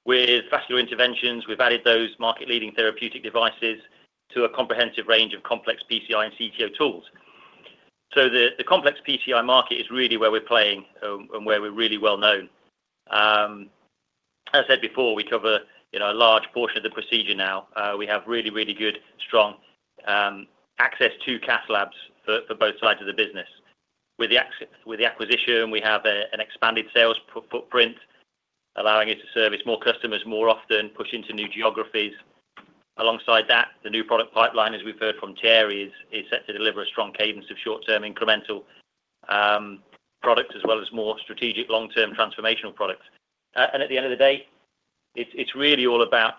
With Vascular Interventions, we've added those market-leading therapeutic devices to a comprehensive range of complex PCI and CTO tools. The complex PCI market is really where we're playing and where we're really well-known. As I said before, we cover a large portion of the procedure now. We have really, really good, strong access to Cath labs for both sides of the business. With the acquisition, we have an expanded sales footprint, allowing us to service more customers more often, push into new geographies. Alongside that, the new product pipeline, as we've heard from Thierry, is set to deliver a strong cadence of short-term incremental products as well as more strategic long-term transformational products. At the end of the day, it's really all about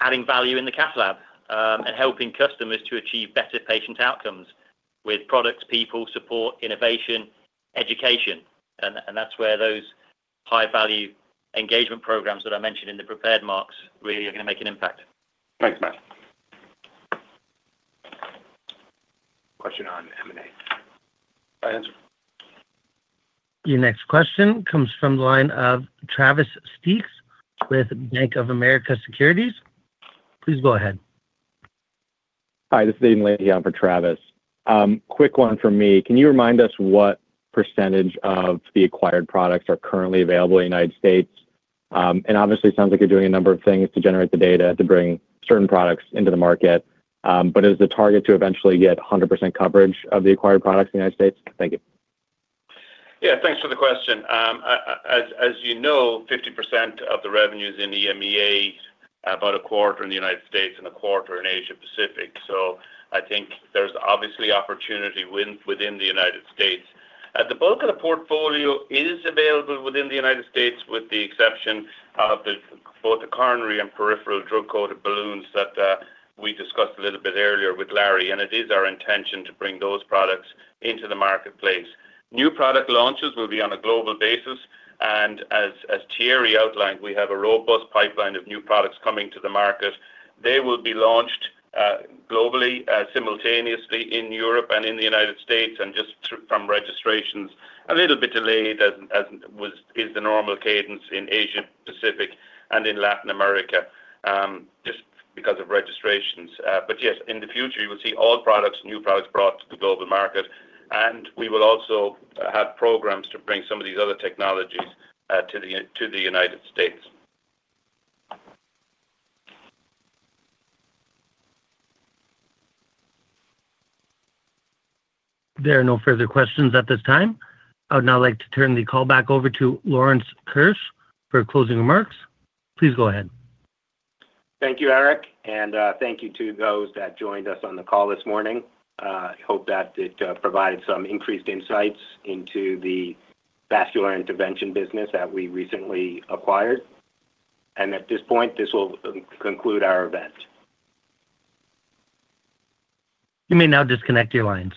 adding value in the Cath lab and helping customers to achieve better patient outcomes with products, people, support, innovation, education. That's where those high-value engagement programs that I mentioned in the prepared marks really are going to make an impact. Thanks, Matt. Question on M&A. I answered. Your next question comes from the line of Travis Steed with Bank of America Securities. Please go ahead. Hi. This is Daniel Linton here for Travis. Quick one from me. Can you remind us what percentage of the acquired products are currently available in the United States? And obviously, it sounds like you're doing a number of things to generate the data to bring certain products into the market. Is the target to eventually get 100% coverage of the acquired products in the United States? Thank you. Yeah. Thanks for the question. As you know, 50% of the revenues in EMEA, about a quarter in the United States and a quarter in Asia-Pacific. I think there's obviously opportunity within the United States. The bulk of the portfolio is available within the United States with the exception of both the coronary and peripheral drug-coated balloons that we discussed a little bit earlier with Larry. It is our intention to bring those products into the marketplace. New product launches will be on a global basis. As Thierry outlined, we have a robust pipeline of new products coming to the market. They will be launched globally simultaneously in Europe and in the United States and just from registrations. A little bit delayed is the normal cadence in Asia-Pacific and in Latin America just because of registrations. Yes, in the future, you will see all products, new products brought to the global market. We will also have programs to bring some of these other technologies to the United States. There are no further questions at this time. I would now like to turn the call back over to Lawrence Keusch for closing remarks. Please go ahead. Thank you, Eric. Thank you to those that joined us on the call this morning. I hope that it provided some increased insights into the Vascular Intervention business that we recently acquired. At this point, this will conclude our event. You may now disconnect your lines.